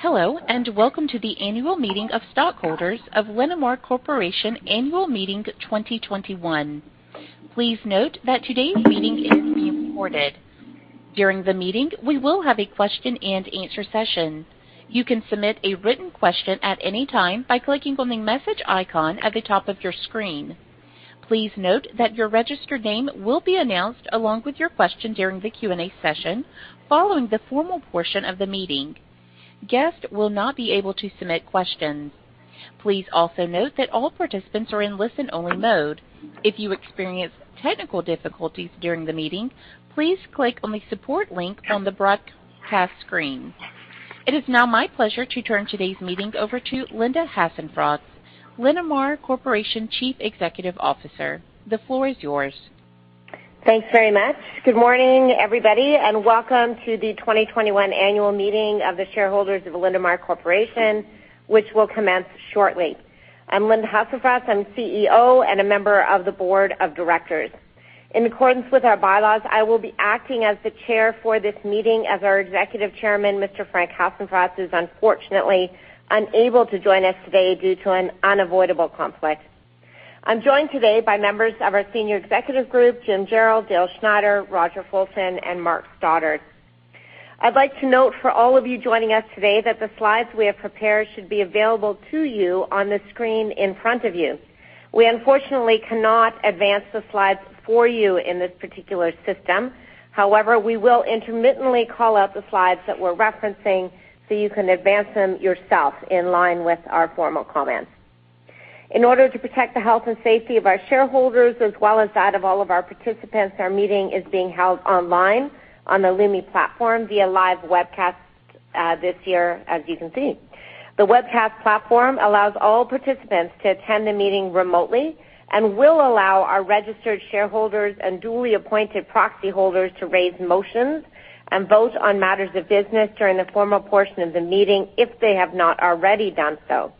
Hello, welcome to the annual meeting of stockholders of Linamar Corporation Annual Meeting 2021. Please note that today's meeting is being recorded. During the meeting, we will have a question-and-answer session. You can submit a written question at any time by clicking on the message icon at the top of your screen. Please note that your registered name will be announced along with your question during the Q&A session, following the formal portion of the meeting. Guests will not be able to submit questions. Please also note that all participants are in listen-only mode. If you experience technical difficulties during the meeting, please click on the support link on the broadcast screen. It is now my pleasure to turn today's meeting over to Linda Hasenfratz, Linamar Corporation Chief Executive Officer. The floor is yours. Thanks very much. Good morning, everybody, welcome to the 2021 annual meeting of the shareholders of Linamar Corporation, which will commence shortly. I'm Linda Hasenfratz. I'm CEO and a member of the Board of Directors. In accordance with our bylaws, I will be acting as the Chair for this meeting as our Executive Chairman, Mr. Frank Hasenfratz, is unfortunately unable to join us today due to an unavoidable conflict. I'm joined today by members of our Senior Executive group, Jim Jarrell, Dale Schneider, Roger Fulton, and Mark Stoddart. I'd like to note for all of you joining us today that the slides we have prepared should be available to you on the screen in front of you. We unfortunately cannot advance the slides for you in this particular system. However, we will intermittently call out the slides that we're referencing so you can advance them yourself in line with our formal comments. In order to protect the health and safety of our shareholders as well as that of all of our participants, our meeting is being held online on the Lumi platform via live webcast this year, as you can see. The webcast platform allows all participants to attend the meeting remotely and will allow our registered shareholders and duly appointed proxy holders to raise motions and vote on matters of business during the formal portion of the meeting if they have not already done so.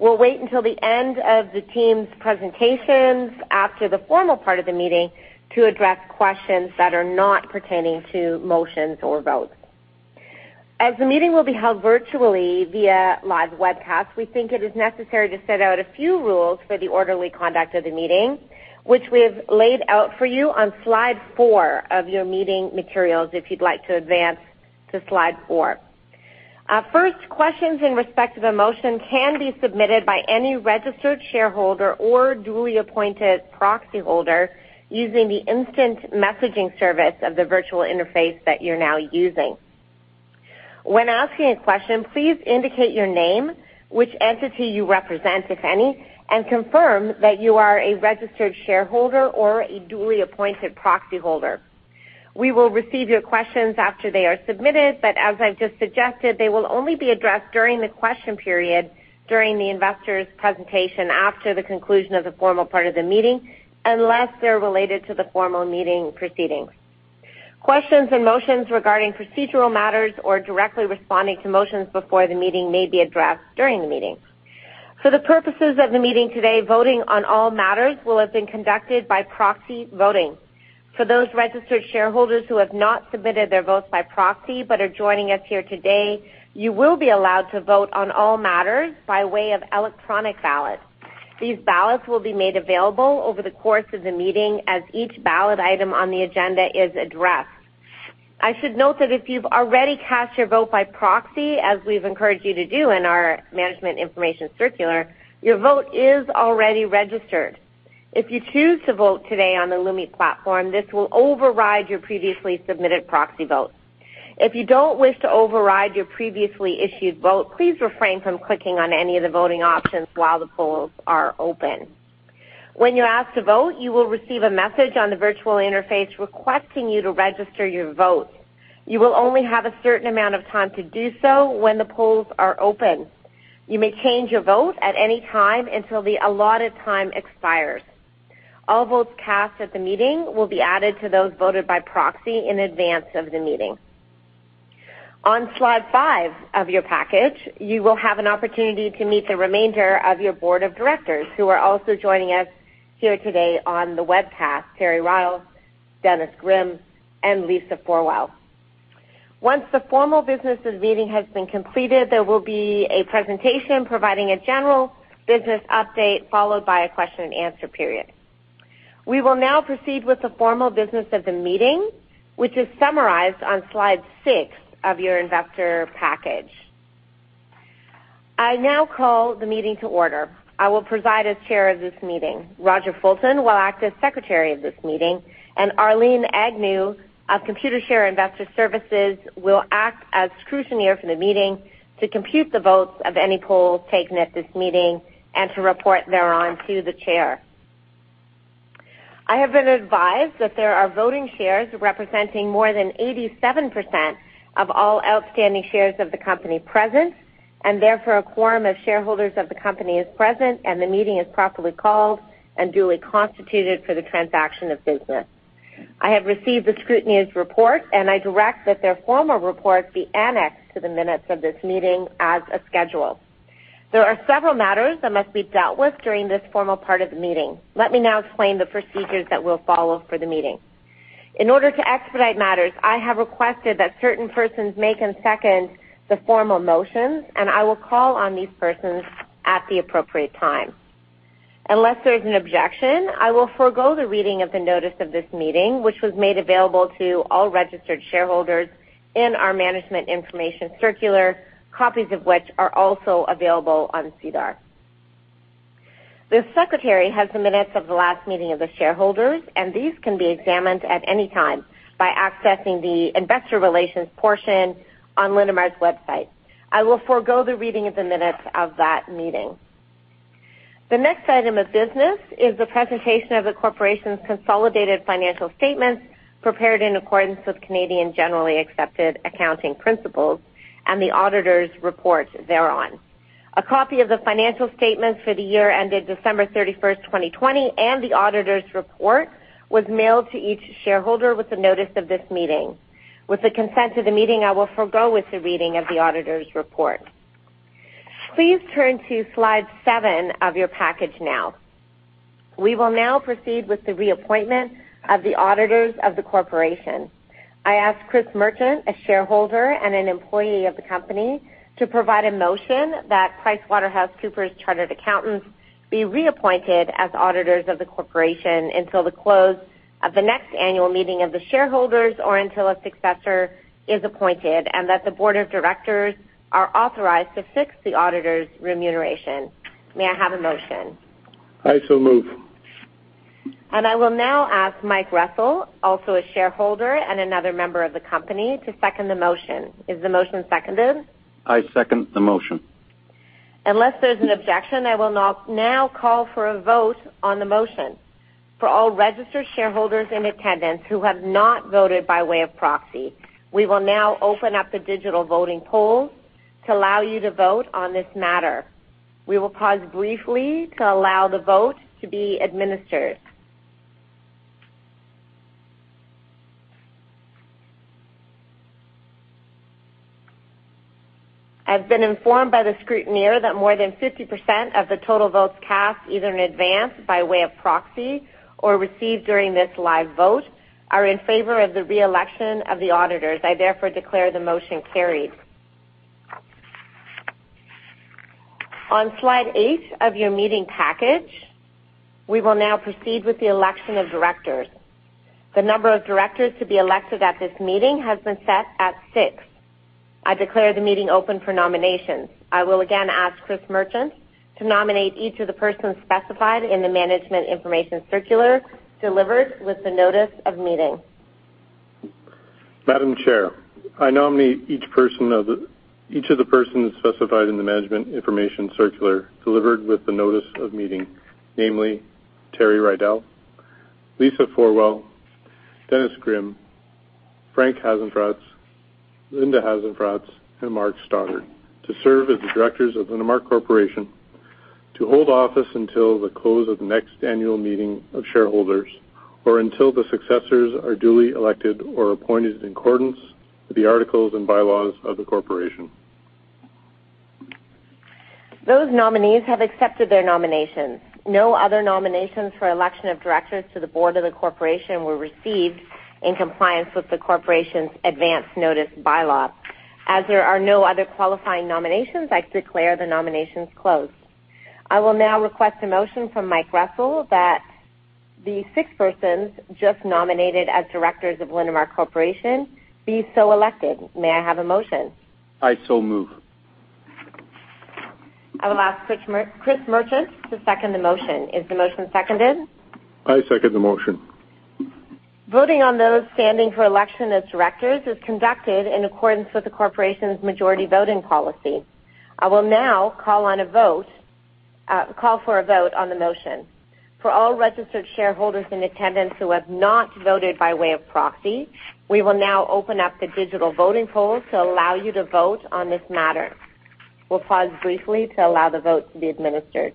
We'll wait until the end of the team's presentations after the formal part of the meeting to address questions that are not pertaining to motions or votes. As the meeting will be held virtually via live webcast, we think it is necessary to set out a few rules for the orderly conduct of the meeting, which we have laid out for you on slide four of your meeting materials if you'd like to advance to slide four. First, questions in respect of a motion can be submitted by any registered shareholder or duly appointed proxy holder using the instant messaging service of the virtual interface that you're now using. When asking a question, please indicate your name, which entity you represent, if any, and confirm that you are a registered shareholder or a duly appointed proxy holder. We will receive your questions after they are submitted, but as I've just suggested, they will only be addressed during the question period during the investors' presentation after the conclusion of the formal part of the meeting, unless they're related to the formal meeting proceedings. Questions and motions regarding procedural matters or directly responding to motions before the meeting may be addressed during the meeting. For the purposes of the meeting today, voting on all matters will have been conducted by proxy voting. For those registered shareholders who have not submitted their vote by proxy but are joining us here today, you will be allowed to vote on all matters by way of electronic ballot. These ballots will be made available over the course of the meeting as each ballot item on the agenda is addressed. I should note that if you've already cast your vote by proxy, as we've encouraged you to do in our management information circular, your vote is already registered. If you choose to vote today on the Lumi platform, this will override your previously submitted proxy vote. If you don't wish to override your previously issued vote, please refrain from clicking on any of the voting options while the polls are open. When you ask to vote, you will receive a message on the virtual interface requesting you to register your vote. You will only have a certain amount of time to do so when the polls are open. You may change your vote at any time until the allotted time expires. All votes cast at the meeting will be added to those voted by proxy in advance of the meeting. On slide five of your package, you will have an opportunity to meet the remainder of your Board of Directors who are also joining us here today on the webcast, Terry Reidel, Dennis Grimm, and Lisa Forwell. Once the formal business of the meeting has been completed, there will be a presentation providing a general business update followed by a question and answer period. We will now proceed with the formal business of the meeting, which is summarized on slide six of your investor package. I now call the meeting to order. I will preside as Chair of this meeting. Roger Fulton will act as secretary of this meeting, and Arlene Agnew of Computershare Investor Services will act as scrutineer for the meeting to compute the votes of any polls taken at this meeting and to report thereon to the chair. I have been advised that there are voting shares representing more than 87% of all outstanding shares of the company present, and therefore a quorum of shareholders of the company is present and the meeting is properly called and duly constituted for the transaction of business. I have received the scrutineer's report, and I direct that their formal report be annexed to the minutes of this meeting as a schedule. There are several matters that must be dealt with during this formal part of the meeting. Let me now explain the procedures that we'll follow for the meeting. In order to expedite matters, I have requested that certain persons make and second the formal motions, and I will call on these persons at the appropriate time. Unless there is an objection, I will forego the reading of the notice of this meeting, which was made available to all registered shareholders in our management information circular, copies of which are also available on SEDAR. The secretary has the minutes of the last meeting of the shareholders, and these can be examined at any time by accessing the investor relations portion on Linamar's website. I will forego the reading of the minutes of that meeting. The next item of business is the presentation of the corporation's consolidated financial statements prepared in accordance with Canadian generally accepted accounting principles and the auditors' report thereon. A copy of the financial statements for the year ended December 31st, 2020, and the auditors' report was mailed to each shareholder with the notice of this meeting. With the consent of the meeting, I will forego with the reading of the auditors' report. Please turn to slide seven of your package now. We will now proceed with the reappointment of the auditors of the Corporation. I ask Chris Merchant, a shareholder and an employee of the company, to provide a motion that PricewaterhouseCoopers Chartered Accountants be reappointed as auditors of the Corporation until the close of the next annual meeting of the shareholders, or until a successor is appointed, and that the Board of Directors are authorized to fix the auditors' remuneration. May I have a motion? I so move. I will now ask Mike Russell, also a shareholder and another member of the company, to second the motion. Is the motion seconded? I second the motion. Unless there's an objection, I will now call for a vote on the motion. For all registered shareholders in attendance who have not voted by way of proxy, we will now open up the digital voting poll to allow you to vote on this matter. We will pause briefly to allow the vote to be administered. I've been informed by the scrutineer that more than 50% of the total votes cast, either in advance by way of proxy or received during this live vote, are in favor of the re-election of the auditors. I therefore declare the motion carried. On slide eight of your meeting package, we will now proceed with the election of directors. The number of directors to be elected at this meeting has been set at six. I declare the meeting open for nominations. I will again ask Chris Merchant to nominate each of the persons specified in the management information circular delivered with the notice of meeting. Madam Chair, I nominate each of the persons specified in the management information circular delivered with the notice of meeting, namely Terry Reidel, Lisa Forwell, Dennis Grimm, Frank Hasenfratz, Linda Hasenfratz, and Mark Stoddart to serve as the Directors of Linamar Corporation, to hold office until the close of the next annual meeting of shareholders, or until the successors are duly elected or appointed in accordance with the articles and bylaws of the corporation. Those nominees have accepted their nominations. No other nominations for election of directors to the board of the Corporation were received in compliance with the Corporation's advance notice bylaws. As there are no other qualifying nominations, I declare the nominations closed. I will now request a motion from Mike Russell that the six persons just nominated as directors of Linamar Corporation be so elected. May I have a motion? I so move. I will ask Chris Merchant to second the motion. Is the motion seconded? I second the motion. Voting on those standing for election as directors is conducted in accordance with the corporation's majority voting policy. I will now call for a vote on the motion. For all registered shareholders in attendance who have not voted by way of proxy, we will now open up the digital voting poll to allow you to vote on this matter. We will pause briefly to allow the vote to be administered.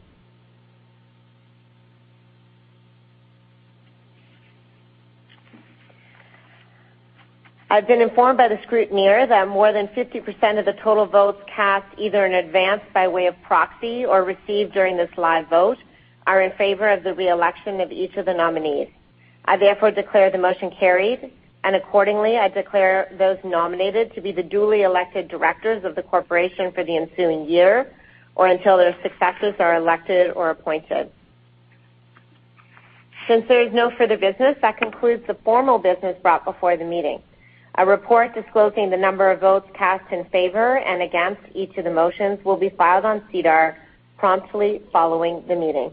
I have been informed by the scrutineer that more than 50% of the total votes cast, either in advance by way of proxy or received during this live vote, are in favor of the re-election of each of the nominees. I therefore declare the motion carried, and accordingly, I declare those nominated to be the duly elected directors of the corporation for the ensuing year, or until their successors are elected or appointed. Since there is no further business, that concludes the formal business brought before the meeting. A report disclosing the number of votes cast in favor and against each of the motions will be filed on SEDAR promptly following the meeting.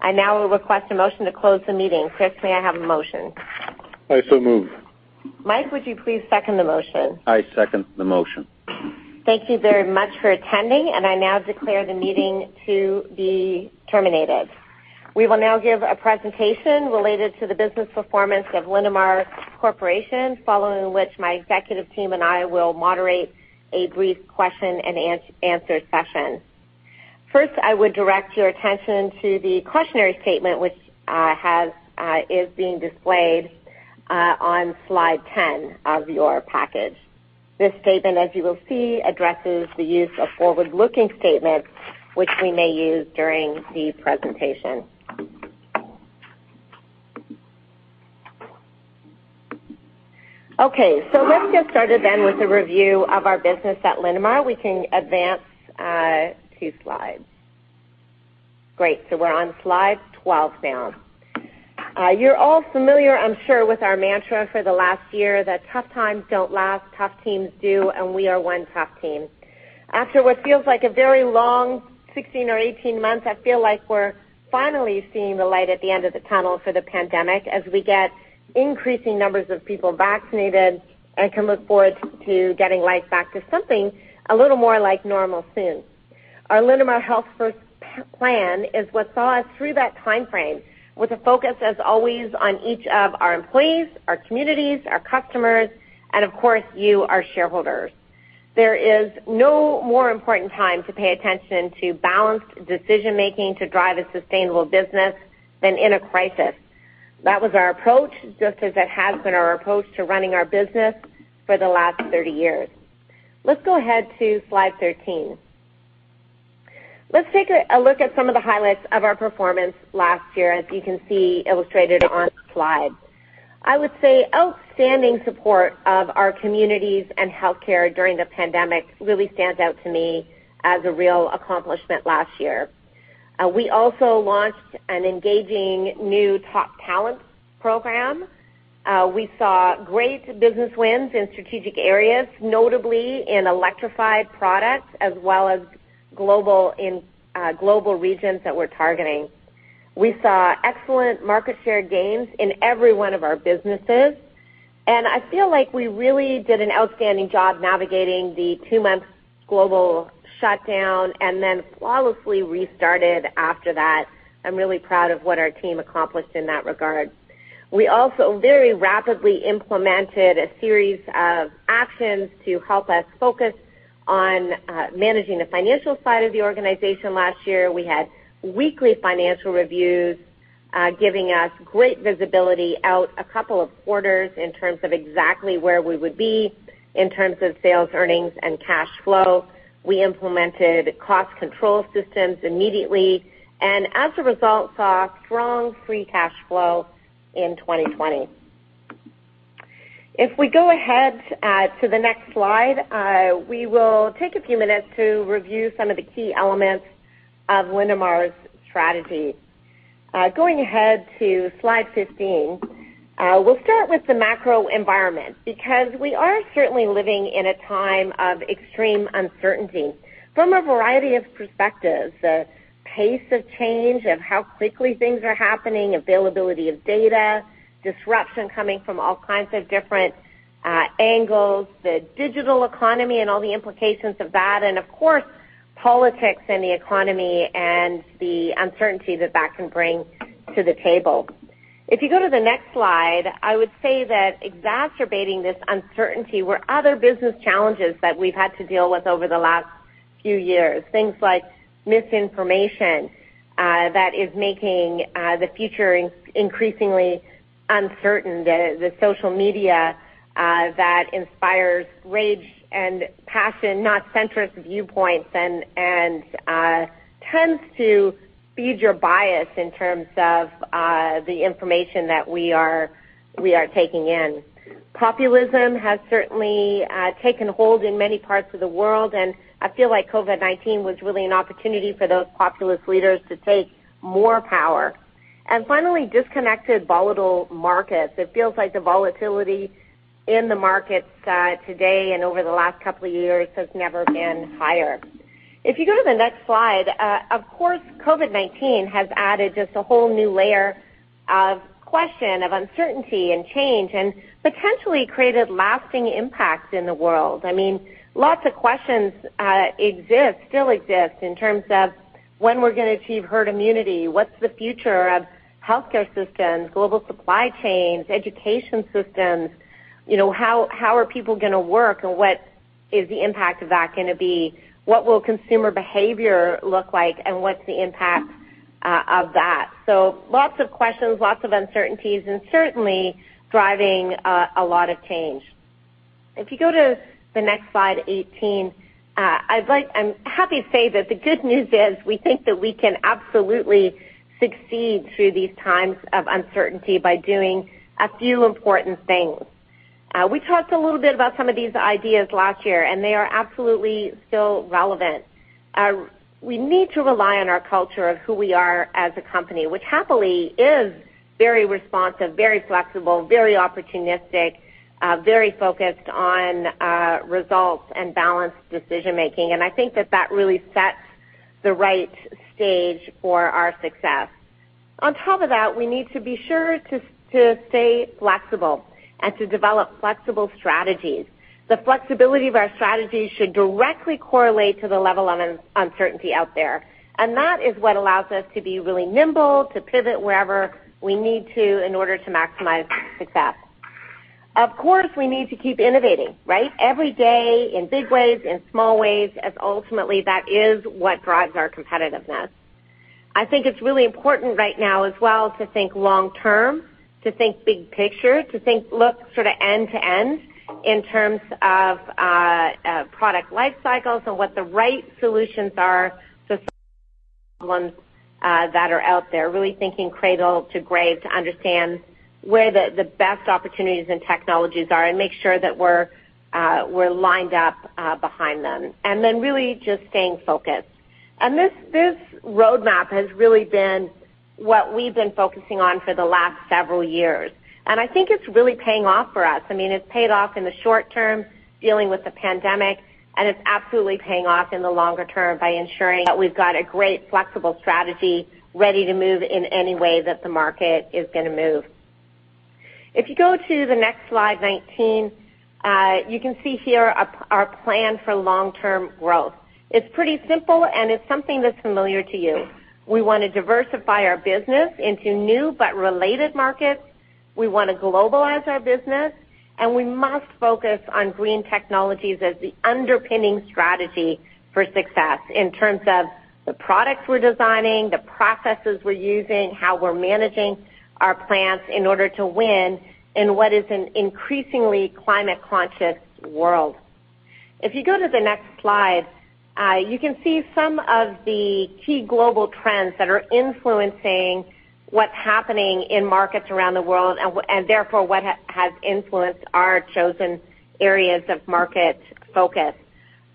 I now will request a motion to close the meeting. Chris, may I have a motion? I so move. Mike, would you please second the motion? I second the motion. Thank you very much for attending. I now declare the meeting to be terminated. We will now give a presentation related to the business performance of Linamar Corporation, following which my executive team and I will moderate a brief question-and-answer session. First, I would direct your attention to the cautionary statement, which is being displayed on slide 10 of your package. This statement, as you will see, addresses the use of forward-looking statements which we may use during the presentation. Let's get started with a review of our business at Linamar. We can advance two slides. We're on slide 12 now. You're all familiar, I'm sure, with our mantra for the last year, that tough times don't last, tough teams do. We are one tough team. After what feels like a very long 16 or 18 months, I feel like we're finally seeing the light at the end of the tunnel for the pandemic as we get increasing numbers of people vaccinated and can look forward to getting life back to something a little more like normal soon. Our Linamar Health First Plan is what saw us through that timeframe, with a focus, as always, on each of our employees, our communities, our customers, and of course, you, our shareholders. There is no more important time to pay attention to balanced decision-making to drive a sustainable business than in a crisis. That was our approach, just as it has been our approach to running our business for the last 30 years. Let's go ahead to slide 13. Let's take a look at some of the highlights of our performance last year, as you can see illustrated on the slide. I would say outstanding support of our communities and healthcare during the pandemic really stands out to me as a real accomplishment last year. We also launched an engaging new top talent program. We saw great business wins in strategic areas, notably in electrified products, as well as in global regions that we're targeting. We saw excellent market share gains in every one of our businesses, and I feel like we really did an outstanding job navigating the two-month global shutdown and then flawlessly restarted after that. I'm really proud of what our team accomplished in that regard. We also very rapidly implemented a series of actions to help us focus on managing the financial side of the organization last year. We had weekly financial reviews, giving us great visibility out a couple of quarters in terms of exactly where we would be in terms of sales, earnings, and cash flow. We implemented cost control systems immediately, and as a result, saw strong free cash flow in 2020. If we go ahead to the next slide, we will take a few minutes to review some of the key elements of Linamar's strategy. Going ahead to slide 15, we'll start with the macro environment, because we are certainly living in a time of extreme uncertainty from a variety of perspectives. The pace of change of how quickly things are happening, availability of data, disruption coming from all kinds of different angles, the digital economy and all the implications of that, and of course, politics and the economy and the uncertainty that can bring to the table. If you go to the next slide, I would say that exacerbating this uncertainty were other business challenges that we've had to deal with over the last few years. Things like misinformation that is making the future increasingly uncertain. The social media that inspires rage and passion, not centric viewpoints, and tends to feed your bias in terms of the information that we are taking in. Populism has certainly taken hold in many parts of the world, and I feel like COVID-19 was really an opportunity for those populist leaders to take more power. Finally, disconnected volatile markets. It feels like the volatility in the markets today and over the last couple of years has never been higher. If you go to the next slide, of course, COVID-19 has added just a whole new layer of question of uncertainty and change and potentially created lasting impact in the world. Lots of questions still exist in terms of when we're going to achieve herd immunity, what's the future of healthcare systems, global supply chains, education systems, how are people going to work, and what is the impact of that going to be? What will consumer behavior look like, and what's the impact of that? Lots of questions, lots of uncertainties, and certainly driving a lot of change. If you go to the next slide, 18, I'm happy to say that the good news is we think that we can absolutely succeed through these times of uncertainty by doing a few important things. We talked a little bit about some of these ideas last year, and they are absolutely still relevant. We need to rely on our culture of who we are as a company, which happily is very responsive, very flexible, very opportunistic, very focused on results and balanced decision-making. I think that really sets the right stage for our success. On top of that, we need to be sure to stay flexible and to develop flexible strategies. The flexibility of our strategies should directly correlate to the level of uncertainty out there. That is what allows us to be really nimble, to pivot wherever we need to in order to maximize success. Of course, we need to keep innovating. Every day in big ways, in small ways, as ultimately that is what drives our competitiveness. I think it's really important right now as well to think long-term, to think big picture, to think look end-to-end in terms of product life cycles and what the right solutions are to solve the problems that are out there. Really thinking cradle to grave to understand where the best opportunities and technologies are and make sure that we're lined up behind them. Really just staying focused. This roadmap has really been what we've been focusing on for the last several years, and I think it's really paying off for us. It's paid off in the short-term, dealing with the pandemic, and it's absolutely paying off in the longer-term by ensuring that we've got a great flexible strategy ready to move in any way that the market is going to move. If you go to the next slide, 19, you can see here our plan for long-term growth. It's pretty simple and it's something that's familiar to you. We want to diversify our business into new but related markets. We want to globalize our business, and we must focus on green technologies as the underpinning strategy for success in terms of the products we're designing, the processes we're using, how we're managing our plants in order to win in what is an increasingly climate-conscious world. If you go to the next slide, you can see some of the key global trends that are influencing what's happening in markets around the world and therefore what has influenced our chosen areas of market focus.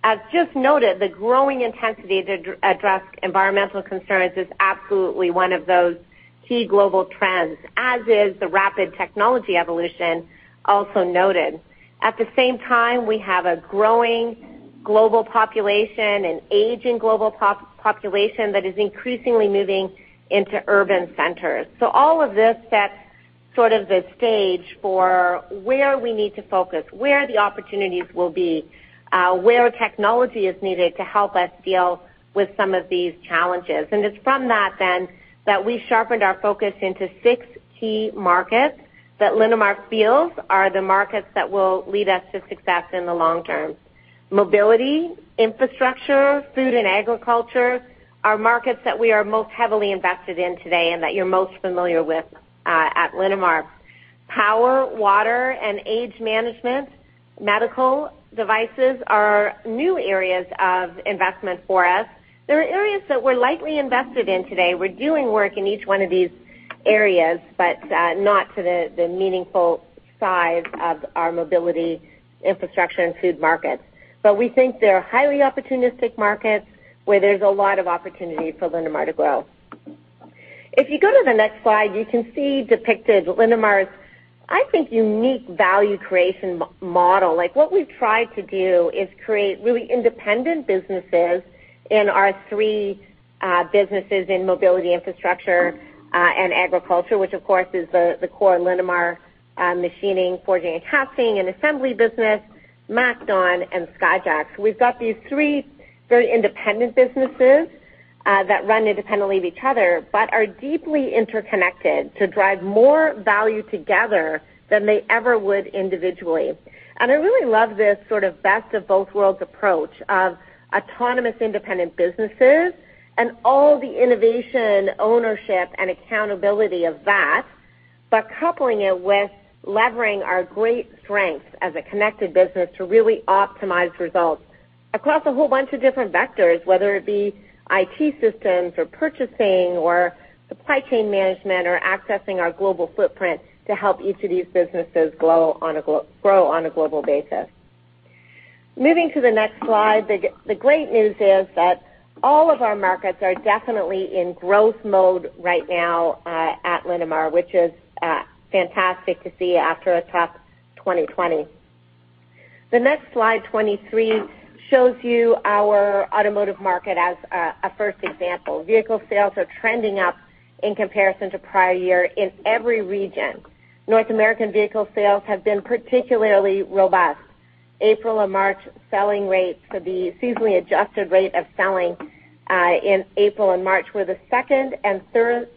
As just noted, the growing intensity to address environmental concerns is absolutely one of those key global trends, as is the rapid technology evolution also noted. At the same time, we have a growing global population, an aging global population that is increasingly moving into urban centers. All of this sets the stage for where we need to focus, where the opportunities will be, where technology is needed to help us deal with some of these challenges. It's from that then that we sharpened our focus into six key markets that Linamar feels are the markets that will lead us to success in the long-term. Mobility, infrastructure, food and agriculture are markets that we are most heavily invested in today and that you're most familiar with at Linamar. Power, water and age management, medical devices are new areas of investment for us. They're areas that we're lightly invested in today. We're doing work in each one of these areas, not to the meaningful size of our mobility, infrastructure, and food markets. We think they're highly opportunistic markets where there's a lot of opportunity for Linamar to grow. If you go to the next slide, you can see depicted Linamar's, I think, unique value creation model. What we've tried to do is create really independent businesses in our three businesses in mobility, infrastructure, and agriculture, which of course is the core Linamar machining, forging and casting and assembly business, MacDon and Skyjack. We've got these three very independent businesses that run independently of each other but are deeply interconnected to drive more value together than they ever would individually. I really love this best of both worlds approach of autonomous, independent businesses and all the innovation, ownership, and accountability of that. Coupling it with leveraging our great strengths as a connected business to really optimize results across a whole bunch of different vectors, whether it be IT systems or purchasing or supply chain management or accessing our global footprint to help each of these businesses grow on a global basis. Moving to the next slide, the great news is that all of our markets are definitely in growth mode right now at Linamar, which is fantastic to see after a tough 2020. The next slide, 23, shows you our automotive market as a first example. Vehicle sales are trending up in comparison to prior year in every region. North American vehicle sales have been particularly robust. The seasonally adjusted rate of selling in April and March were the second and third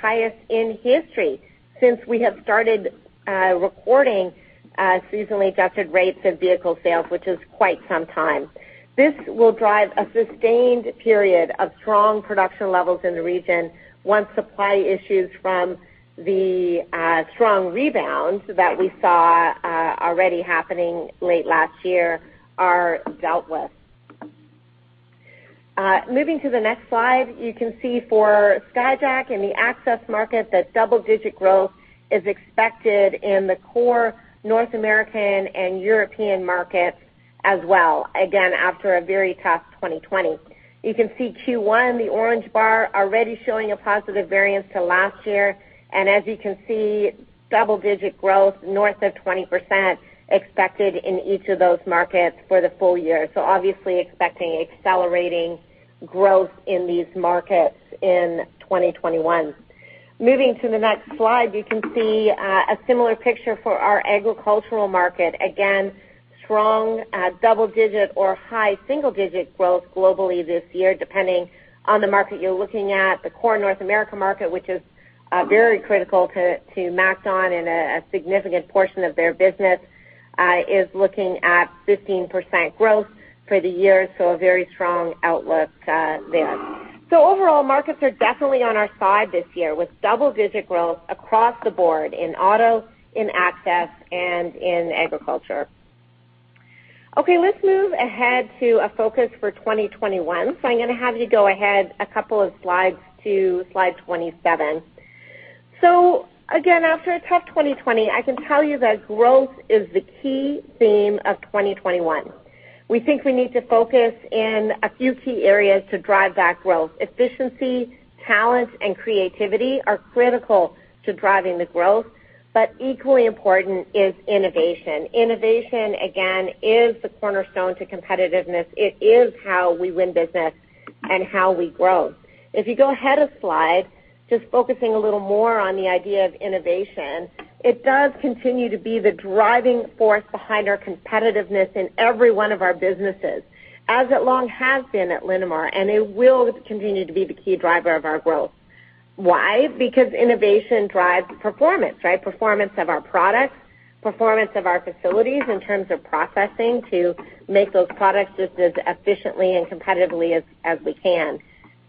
highest in history since we have started recording seasonally adjusted rates of vehicle sales, which is quite some time. This will drive a sustained period of strong production levels in the region once supply issues from the strong rebounds that we saw already happening late last year are dealt with. Moving to the next slide, you can see for Skyjack and the access market that double-digit growth is expected in the core North American and European markets as well, again, after a very tough 2020. You can see Q1, the orange bar, already showing a positive variance to last year. As you can see, double-digit growth north of 20% expected in each of those markets for the full year. Obviously expecting accelerating growth in these markets in 2021. Moving to the next slide, you can see a similar picture for our agricultural market. Again, strong double-digit or high single-digit growth globally this year, depending on the market you're looking at. The core North America market, which is very critical to MacDon and a significant portion of their business is looking at 15% growth for the year, a very strong outlook there. Overall, markets are definitely on our side this year with double-digit growth across the board in auto, in access, and in agriculture. Let's move ahead to a focus for 2021. I'm going to have you go ahead a couple of slides to slide 27. Again, after a tough 2020, I can tell you that growth is the key theme of 2021. We think we need to focus in a few key areas to drive that growth. Efficiency, talent, and creativity are critical to driving the growth. Equally important is innovation. Innovation, again, is the cornerstone to competitiveness. It is how we win business and how we grow. If you go ahead a slide, just focusing a little more on the idea of innovation, it does continue to be the driving force behind our competitiveness in every one of our businesses, as it long has been at Linamar, and it will continue to be the key driver of our growth. Why? Because innovation drives performance, right? Performance of our products, performance of our facilities in terms of processing to make those products just as efficiently and competitively as we can.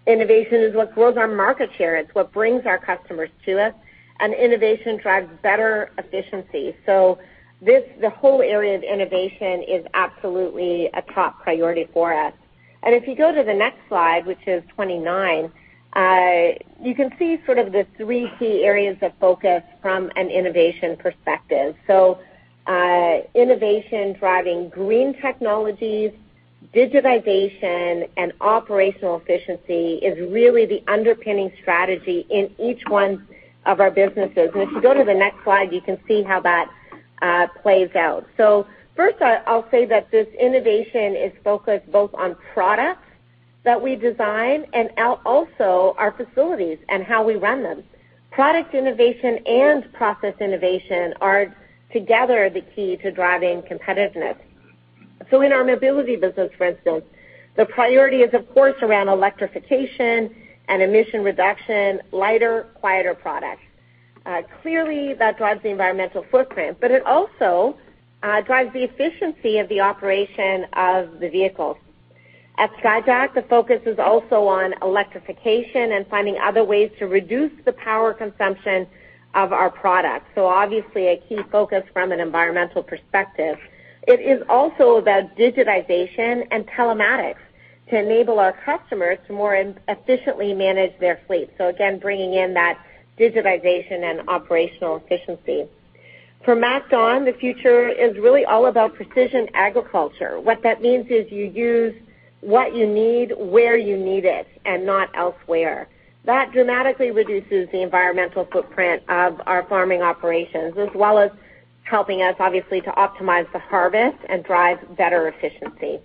Innovation is what grows our market share. It's what brings our customers to us, and innovation drives better efficiency. The whole area of innovation is absolutely a top priority for us. If you go to the next slide, which is 29, you can see sort of the three key areas of focus from an innovation perspective. Innovation driving green technologies, digitization, and operational efficiency is really the underpinning strategy in each one of our businesses. If you go to the next slide, you can see how that plays out. First, I'll say that this innovation is focused both on products that we design and also our facilities and how we run them. Product innovation and process innovation are together the key to driving competitiveness. In our mobility business, for instance, the priority is of course around electrification and emission reduction, lighter, quieter products. That drives the environmental footprint, it also drives the efficiency of the operation of the vehicles. At Skyjack, the focus is also on electrification and finding other ways to reduce the power consumption of our products. Obviously a key focus from an environmental perspective. It is also about digitization and telematics to enable our customers to more efficiently manage their fleet. Again, bringing in that digitization and operational efficiency. For MacDon, the future is really all about precision agriculture. What that means is you use what you need where you need it and not elsewhere. That dramatically reduces the environmental footprint of our farming operations as well as helping us obviously to optimize the harvest and drive better efficiency.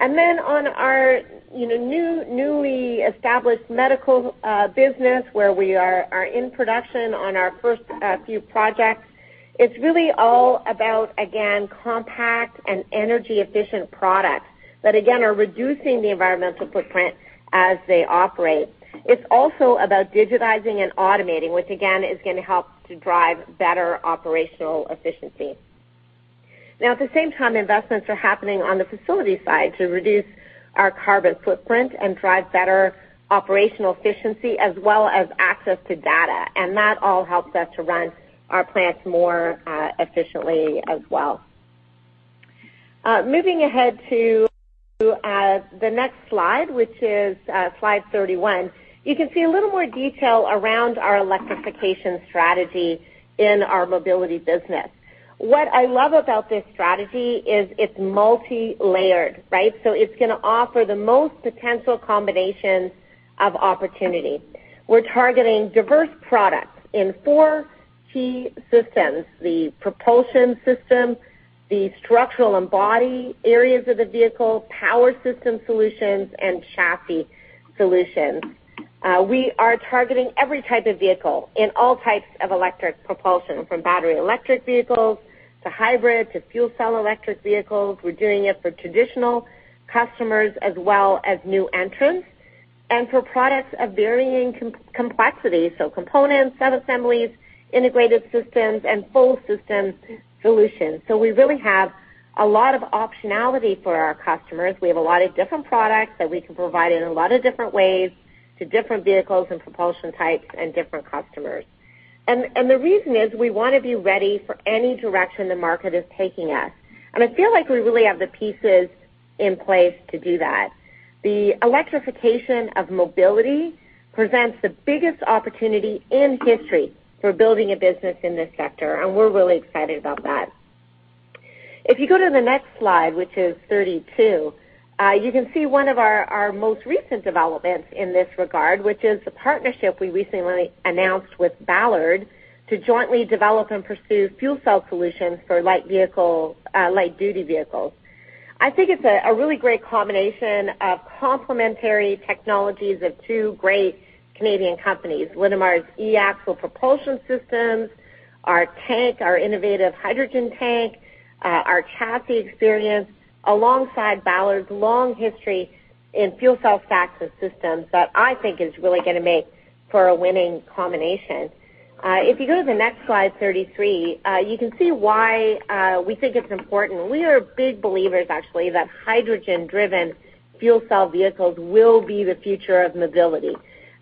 Then on our newly established medical business where we are in production on our first few projects, it's really all about, again, compact and energy-efficient products that, again, are reducing the environmental footprint as they operate. It's also about digitizing and automating, which again, is going to help to drive better operational efficiency. Now, at the same time, investments are happening on the facility side to reduce our carbon footprint and drive better operational efficiency as well as access to data. That all helps us to run our plants more efficiently as well. Moving ahead to the next slide, which is slide 31, you can see a little more detail around our electrification strategy in our mobility business. What I love about this strategy is it's multi-layered, right? It's going to offer the most potential combination of opportunities. We're targeting diverse products in four key systems, the propulsion system, the structural and body areas of the vehicle, power system solutions, and chassis solutions. We are targeting every type of vehicle in all types of electric propulsion, from battery electric vehicles to hybrid to fuel cell electric vehicles. We're doing it for traditional customers as well as new entrants and for products of varying complexities, so components, sub-assemblies, integrated systems, and full system solutions. We really have a lot of optionality for our customers. We have a lot of different products that we can provide in a lot of different ways to different vehicles and propulsion types and different customers. The reason is we want to be ready for any direction the market is taking us. I feel like we really have the pieces in place to do that. The electrification of mobility presents the biggest opportunity in history for building a business in this sector, and we're really excited about that. If you go to the next slide, which is 32, you can see one of our most recent developments in this regard, which is the partnership we recently announced with Ballard to jointly develop and pursue fuel cell solutions for light-duty vehicles. I think it's a really great combination of complementary technologies of two great Canadian companies, Linamar's eAxle propulsion systems, our tank, our innovative hydrogen tank, our chassis experience, alongside Ballard's long history in fuel cell stacks and systems that I think is really going to make for a winning combination. If you go to the next slide, 33, you can see why we think it's important. We are big believers, actually, that hydrogen-driven fuel cell vehicles will be the future of mobility.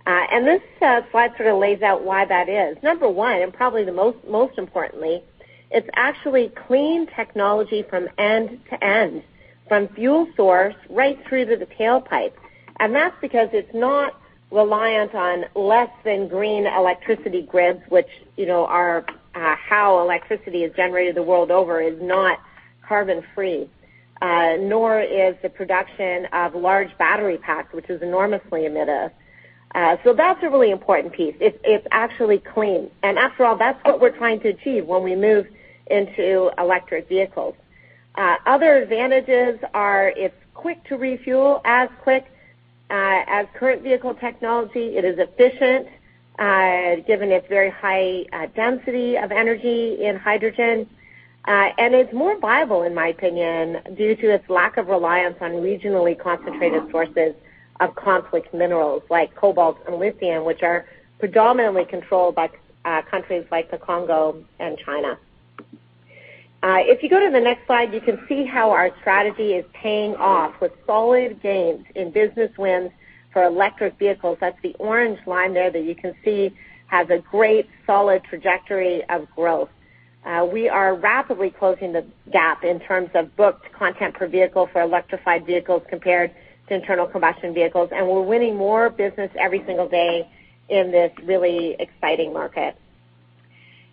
This slide sort of lays out why that is. Number one, and probably the most importantly, it's actually clean technology from end-to-end, from fuel source right through to the tailpipe. That's because it's not reliant on less than green electricity grids, which are how electricity is generated the world over, is not carbon free. Nor is the production of large battery packs, which is enormously emitter. That's a really important piece. It's actually clean. After all, that's what we're trying to achieve when we move into electric vehicles. Other advantages are it's quick to refuel, as quick as current vehicle technology. It is efficient, given its very high density of energy in hydrogen. It's more viable, in my opinion, due to its lack of reliance on regionally concentrated sources of conflict minerals like cobalt and lithium, which are predominantly controlled by countries like the Congo and China. If you go to the next slide, you can see how our strategy is paying off with solid gains in business wins for electric vehicles. That's the orange line there that you can see has a great solid trajectory of growth. We are rapidly closing the gap in terms of booked content per vehicle for electrified vehicles compared to internal combustion vehicles. We're winning more business every single day in this really exciting market.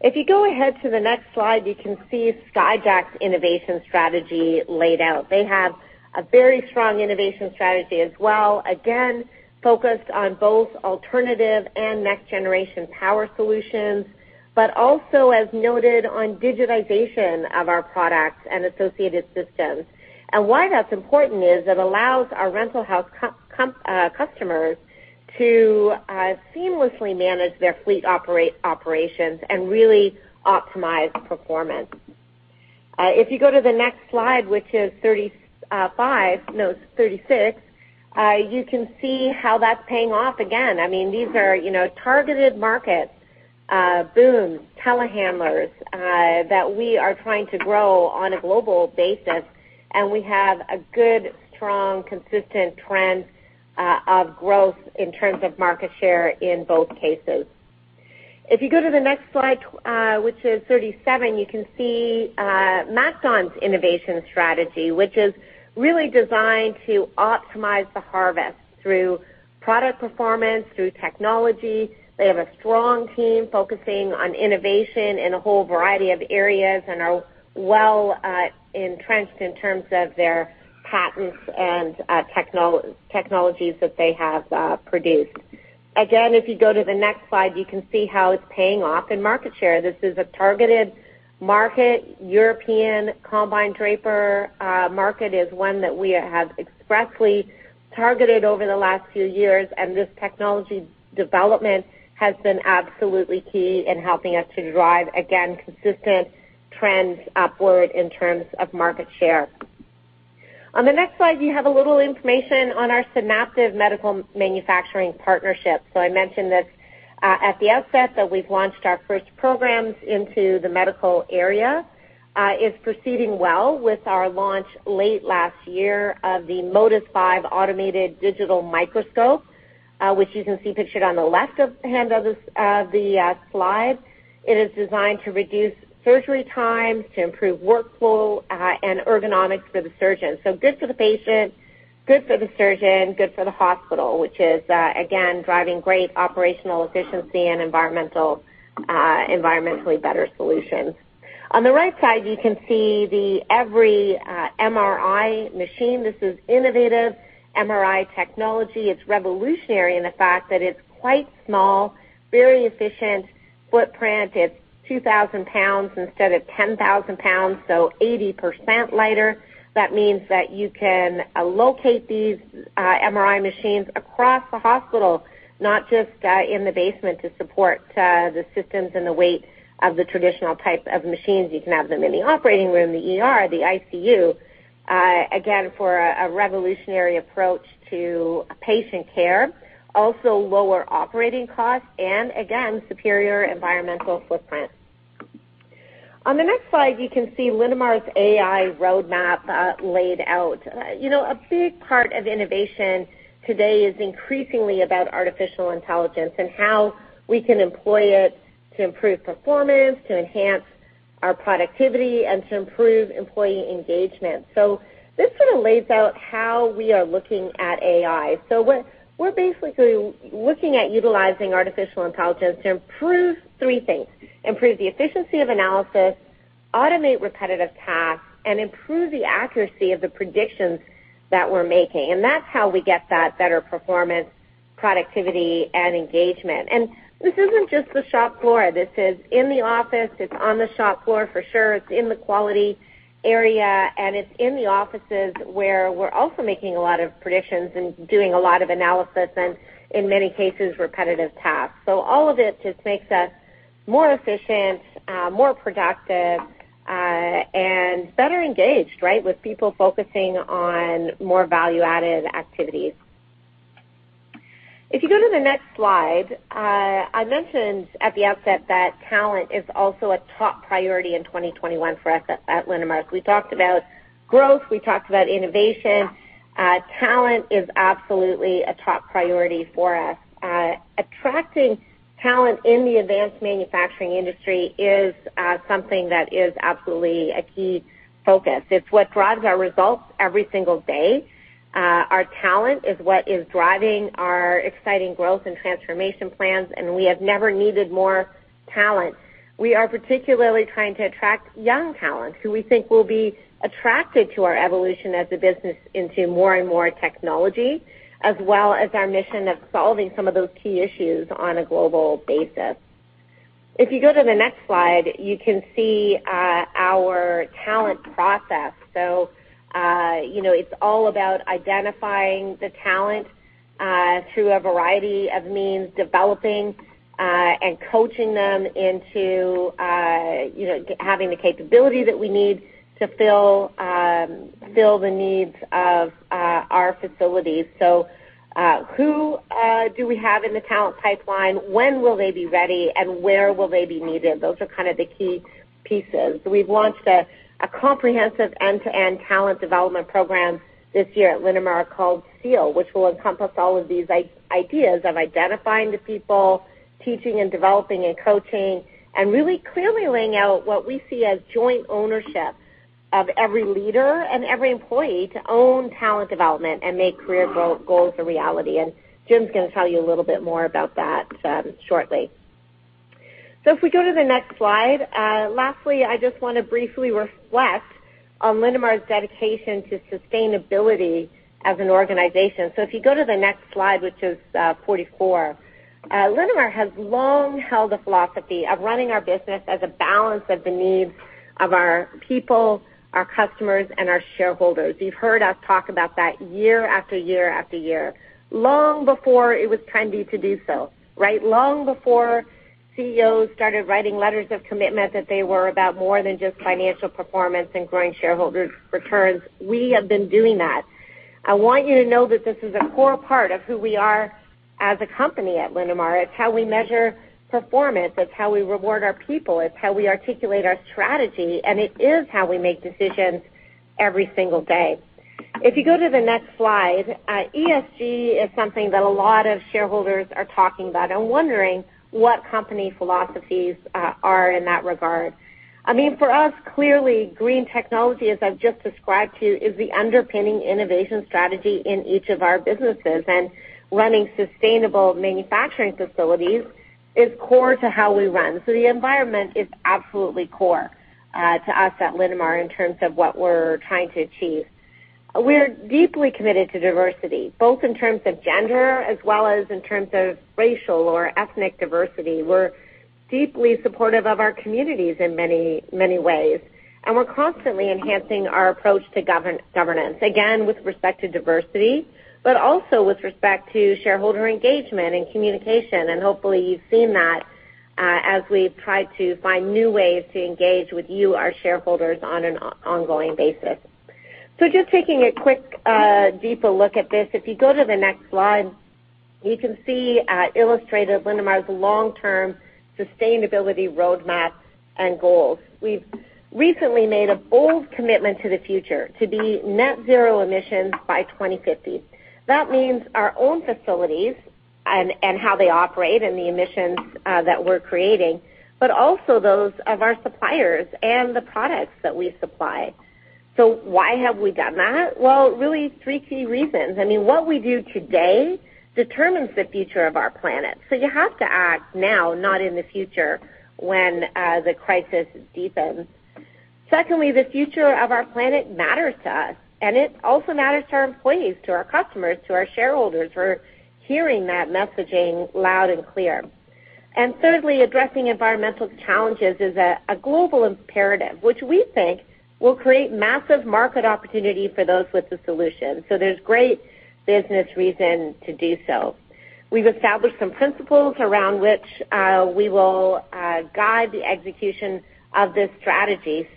If you go ahead to the next slide, you can see Skyjack's innovation strategy laid out. They have a very strong innovation strategy as well, again, focused on both alternative and next-generation power solutions, but also, as noted, on digitization of our products and associated systems. Why that's important is it allows our rental house customers to seamlessly manage their fleet operations and really optimize performance. If you go to the next slide, which is 36, you can see how that's paying off again. These are targeted markets, booms, telehandlers, that we are trying to grow on a global basis, and we have a good, strong, consistent trend of growth in terms of market share in both cases. If you go to the next slide, which is 37, you can see MacDon's innovation strategy, which is really designed to optimize the harvest through product performance, through technology. They have a strong team focusing on innovation in a whole variety of areas and are well entrenched in terms of their patents and technologies that they have produced. If you go to the next slide, you can see how it's paying off in market share. This is a targeted market. European combine draper market is one that we have expressly targeted over the last few years, and this technology development has been absolutely key in helping us to drive, again, consistent trends upward in terms of market share. On the next slide, you have a little information on our Synaptive Medical manufacturing partnership. I mentioned this at the outset that we've launched our first programs into the medical area. It's proceeding well with our launch late last year of the Modus V automated digital microscope, which you can see pictured on the left-hand of the slide. It is designed to reduce surgery times, to improve workflow and ergonomics for the surgeon. Good for the patient, good for the surgeon, good for the hospital, which is, again, driving great operational efficiency and environmentally better solutions. On the right side, you can see the EVRY MRI machine. This is innovative MRI technology. It's revolutionary in the fact that it's quite small, very efficient footprint. It's 2,000 pounds instead of 10,000 pounds, so 80% lighter. That means that you can locate these MRI machines across the hospital, not just in the basement to support the systems and the weight of the traditional type of machines. You can have them in the operating room, the ER, the ICU, again, for a revolutionary approach to patient care, also lower operating costs and again, superior environmental footprint. On the next slide, you can see Linamar's AI roadmap laid out. A big part of innovation today is increasingly about artificial intelligence and how we can employ it to improve performance, to enhance our productivity, and to improve employee engagement. This sort of lays out how we are looking at AI. We're basically looking at utilizing artificial intelligence to improve three things, improve the efficiency of analysis, automate repetitive tasks, and improve the accuracy of the predictions that we're making. That's how we get that better performance, productivity, and engagement. This isn't just the shop floor. This is in the office. It's on the shop floor for sure. It's in the quality area, and it's in the offices where we're also making a lot of predictions and doing a lot of analysis and in many cases, repetitive tasks. All of it just makes us more efficient, more productive, and better engaged, right, with people focusing on more value-added activities. If you go to the next slide, I mentioned at the outset that talent is also a top priority in 2021 for us at Linamar. We talked about growth. We talked about innovation. Talent is absolutely a top priority for us. Attracting talent in the advanced manufacturing industry is something that is absolutely a key focus. It's what drives our results every single day. Our talent is what is driving our exciting growth and transformation plans, and we have never needed more talent. We are particularly trying to attract young talent who we think will be attracted to our evolution as a business into more and more technology, as well as our mission of solving some of those key issues on a global basis. If you go to the next slide, you can see our talent process. It's all about identifying the talent through a variety of means, developing and coaching them into having the capability that we need to fill the needs of our facilities. Who do we have in the talent pipeline? When will they be ready, and where will they be needed? Those are kind of the key pieces. We've launched a comprehensive end-to-end talent development program this year at Linamar called SEAL, which will encompass all of these ideas of identifying the people, teaching and developing and coaching, and really clearly laying out what we see as joint ownership of every leader and every employee to own talent development and make career goals a reality. Jim's going to tell you a little bit more about that shortly. If we go to the next slide. Lastly, I just want to briefly reflect on Linamar's dedication to sustainability as an organization. If you go to the next slide, which is 44. Linamar has long held a philosophy of running our business as a balance of the needs of our people, our customers, and our shareholders. You've heard us talk about that year after year after year, long before it was trendy to do so. Long before CEOs started writing letters of commitment that they were about more than just financial performance and growing shareholder returns. We have been doing that. I want you to know that this is a core part of who we are as a company at Linamar. It's how we measure performance, it's how we reward our people, it's how we articulate our strategy, and it is how we make decisions every single day. If you go to the next slide. ESG is something that a lot of shareholders are talking about and wondering what company philosophies are in that regard. For us, clearly, green technology, as I've just described to you, is the underpinning innovation strategy in each of our businesses, and running sustainable manufacturing facilities is core to how we run. The environment is absolutely core to us at Linamar in terms of what we're trying to achieve. We're deeply committed to diversity, both in terms of gender as well as in terms of racial or ethnic diversity. We're deeply supportive of our communities in many ways. We're constantly enhancing our approach to governance. Again, with respect to diversity, but also with respect to shareholder engagement and communication. Hopefully you've seen that as we've tried to find new ways to engage with you, our shareholders, on an ongoing basis. Just taking a quick deeper look at this. If you go to the next slide, you can see illustrated Linamar's long-term sustainability roadmap and goals. We've recently made a bold commitment to the future to be net zero emissions by 2050. That means our own facilities and how they operate and the emissions that we're creating, but also those of our suppliers and the products that we supply. Why have we done that? Well, really three key reasons. What we do today determines the future of our planet. You have to act now, not in the future, when the crisis deepens. Secondly, the future of our planet matters to us, and it also matters to our employees, to our customers, to our shareholders. We're hearing that messaging loud and clear. Thirdly, addressing environmental challenges is a global imperative, which we think will create massive market opportunity for those with the solution. There's great business reason to do so. We've established some principles around which we will guide the execution of this strategy.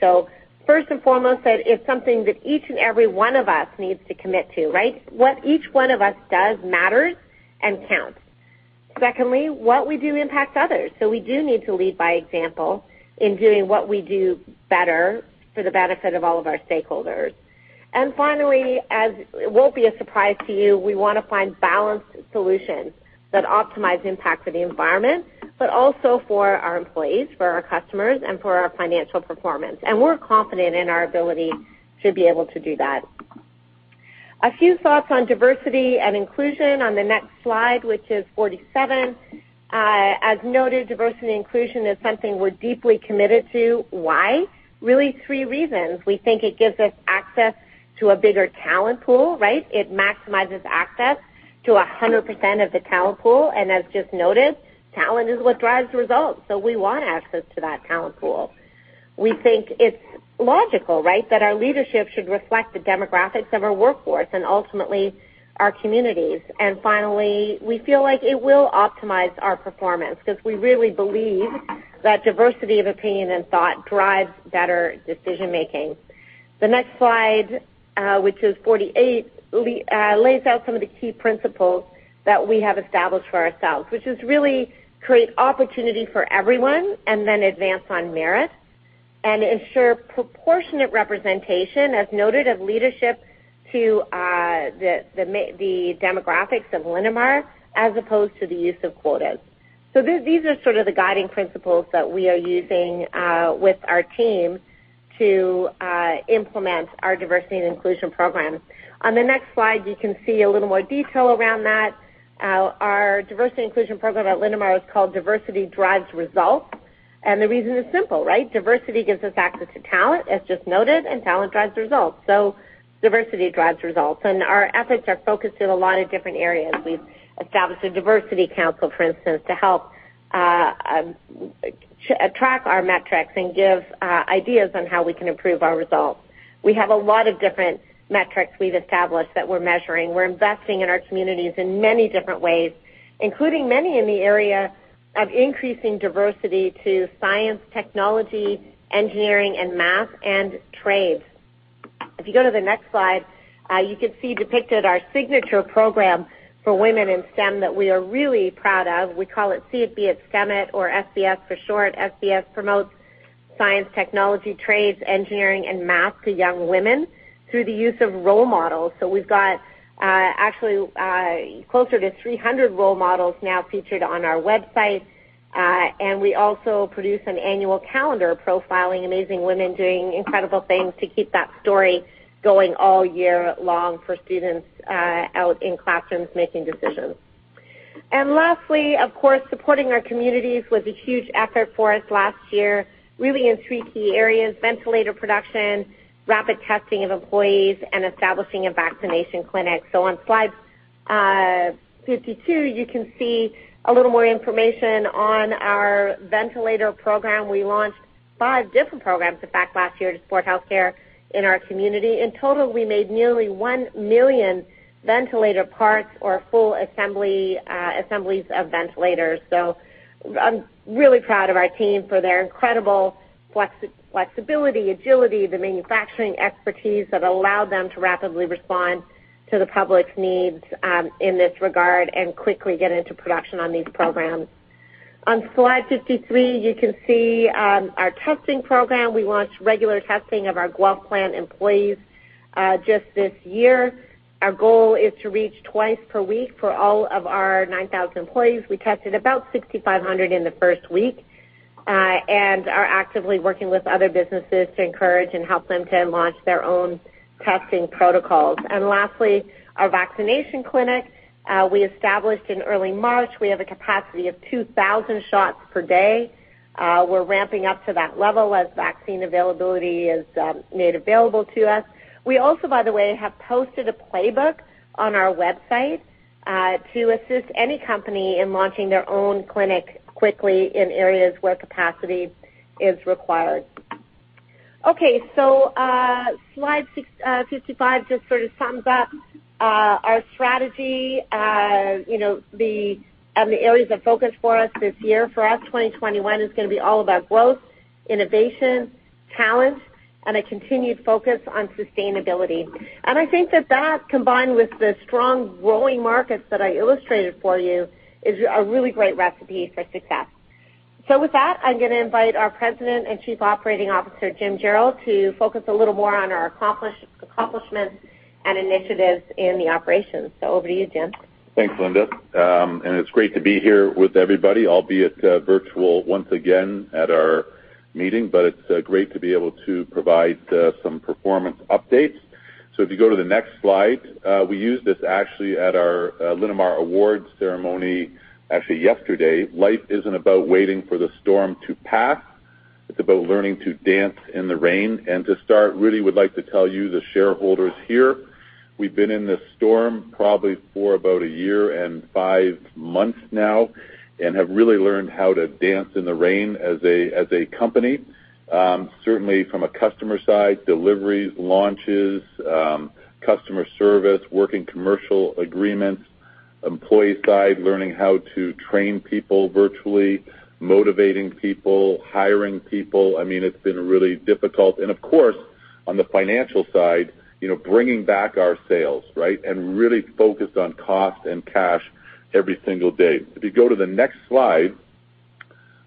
First and foremost, it's something that each and every one of us needs to commit to, right? What each one of us does matters and counts. Secondly, what we do impacts others. We do need to lead by example in doing what we do better for the benefit of all of our stakeholders. Finally, as it won't be a surprise to you, we want to find balanced solutions that optimize impact for the environment, but also for our employees, for our customers, and for our financial performance. We're confident in our ability to be able to do that. A few thoughts on diversity and inclusion on the next slide, which is 47. As noted, diversity and inclusion is something we're deeply committed to. Why? Really three reasons. We think it gives us access to a bigger talent pool, right? It maximizes access to 100% of the talent pool, and as just noted, talent is what drives results. We want access to that talent pool. We think it's logical that our leadership should reflect the demographics of our workforce and ultimately our communities. Finally, we feel like it will optimize our performance because we really believe that diversity of opinion and thought drives better decision-making. The next slide, which is 48, lays out some of the key principles that we have established for ourselves, which is really create opportunity for everyone and then advance on merit and ensure proportionate representation as noted of leadership to the demographics of Linamar as opposed to the use of quotas. These are sort of the guiding principles that we are using with our team to implement our diversity and inclusion programs. On the next slide, you can see a little more detail around that. Our diversity inclusion program at Linamar is called Diversity Drives Results, and the reason is simple, right? Diversity gives us access to talent, as just noted, and talent drives results. Diversity Drives Results, and our efforts are focused in a lot of different areas. We've established a diversity council, for instance, to help track our metrics and give ideas on how we can improve our results. We have a lot of different metrics we've established that we're measuring. We're investing in our communities in many different ways, including many in the area of increasing diversity to science, technology, engineering, and math and trades. If you go to the next slide, you can see depicted our signature program for women in STEM that we are really proud of. We call it See It, Be It, STEM It, or SBS for short. SBS promotes science, technology, trades, engineering, and math to young women through the use of role models. We've got actually closer to 300 role models now featured on our website, we also produce an annual calendar profiling amazing women doing incredible things to keep that story going all year long for students out in classrooms making decisions. Lastly, of course, supporting our communities was a huge effort for us last year, really in three key areas, ventilator production, rapid testing of employees, and establishing a vaccination clinic. On slide 52, you can see a little more information on our ventilator program. We launched five different programs, in fact, last year to support healthcare in our community. In total, we made nearly 1 million ventilator parts or full assemblies of ventilators. I'm really proud of our team for their incredible flexibility, agility, the manufacturing expertise that allowed them to rapidly respond to the public's needs in this regard and quickly get into production on these programs. On slide 53, you can see our testing program. We launched regular testing of our Guelph plant employees just this year. Our goal is to reach twice per week for all of our 9,000 employees. We tested about 6,500 in the first week and are actively working with other businesses to encourage and help them to launch their own testing protocols. Lastly, our vaccination clinic we established in early March. We have a capacity of 2,000 shots per day. We're ramping up to that level as vaccine availability is made available to us. We also, by the way, have posted a playbook on our website to assist any company in launching their own clinic quickly in areas where capacity is required. Slide 55 just sort of sums up our strategy. The areas of focus for us this year, for us, 2021 is going to be all about growth, innovation, talent, and a continued focus on sustainability. I think that that, combined with the strong growing markets that I illustrated for you, is a really great recipe for success. With that, I'm going to invite our President and Chief Operating Officer, Jim Jarrell, to focus a little more on our accomplishments and initiatives in the operations. Over to you, Jim. Thanks, Linda. It's great to be here with everybody, albeit virtual once again at our meeting, but it's great to be able to provide some performance updates. If you go to the next slide, we used this actually at our Linamar awards ceremony actually yesterday. "Light isn't about waiting for the storm to pass. It's about learning to dance in the rain." To start, really would like to tell you, the shareholders here, we've been in this storm probably for about a year and five months now and have really learned how to dance in the rain as a company. Certainly from a customer side, deliveries, launches, customer service, working commercial agreements. Employee side, learning how to train people virtually, motivating people, hiring people. It's been really difficult. Of course, on the financial side, bringing back our sales, right? Really focused on cost and cash every single day. If you go to the next slide,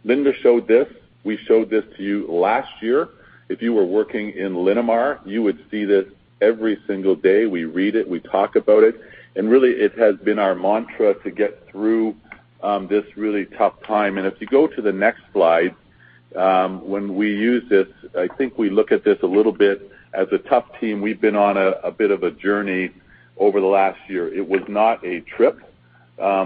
Linda showed this. We showed this to you last year. If you were working in Linamar, you would see this every single day. We read it, we talk about it, really it has been our mantra to get through this really tough time. If you go to the next slide, when we use this, I think we look at this a little bit as a tough team. We've been on a bit of a journey over the last year. It was not a trip.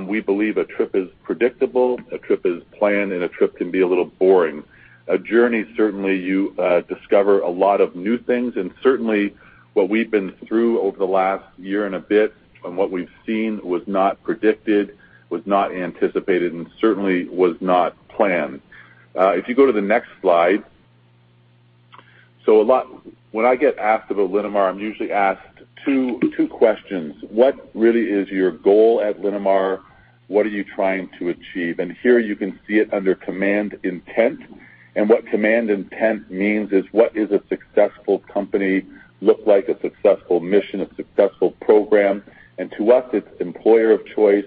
We believe a trip is predictable, a trip is planned, a trip can be a little boring. A journey, certainly you discover a lot of new things. Certainly what we've been through over the last year and a bit and what we've seen was not predicted, was not anticipated, and certainly was not planned. If you go to the next slide. When I get asked about Linamar, I'm usually asked two questions. What really is your goal at Linamar? What are you trying to achieve? Here you can see it under command intent. What command intent means is what does a successful company look like, a successful mission, a successful program? To us, it's employer of choice,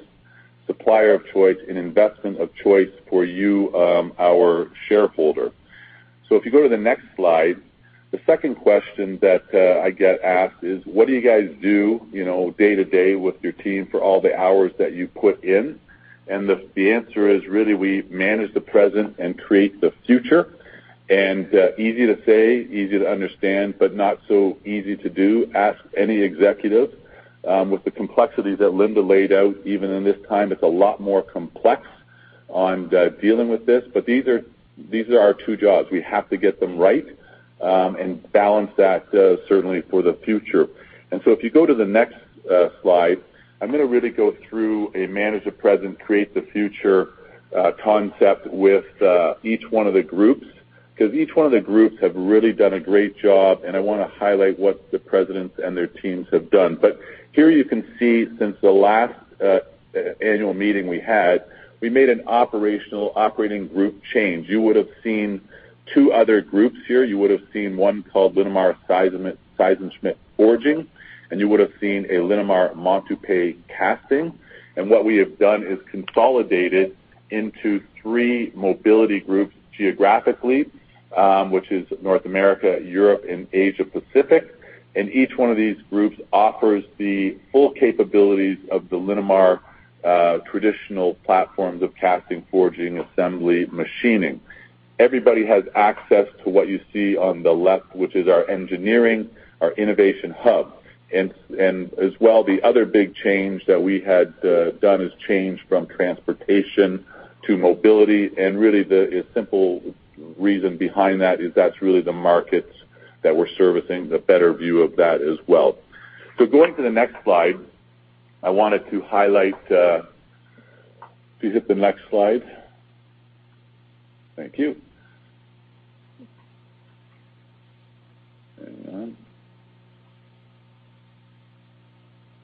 supplier of choice, and investment of choice for you, our shareholder. If you go to the next slide, the second question that I get asked is: What do you guys do day-to-day with your team for all the hours that you put in? The answer is, really, we manage the present and create the future. Easy to say, easy to understand, but not so easy to do. Ask any executive. With the complexities that Linda laid out, even in this time, it's a lot more complex on dealing with this. These are our two jobs. We have to get them right and balance that, certainly, for the future. If you go to the next slide, I'm going to really go through a manage the present, create the future concept with each one of the groups, because each one of the groups have really done a great job, and I want to highlight what the presidents and their teams have done. Here you can see since the last annual meeting we had, we made an operational operating group change. You would have seen two other groups here. You would have seen one called LINAMAR SEISSENSCHMIDT Forging, you would have seen a Linamar Montupet Casting. What we have done is consolidated into three mobility groups geographically, which is North America, Europe, and Asia Pacific. Each one of these groups offers the full capabilities of the Linamar traditional platforms of casting, forging, assembly, machining. Everybody has access to what you see on the left, which is our engineering, our innovation hub. As well, the other big change that we had done is change from transportation to mobility, and really the simple reason behind that is that's really the markets that we're servicing, the better view of that as well. Going to the next slide, I wanted to highlight. Please hit the next slide. Thank you. Hang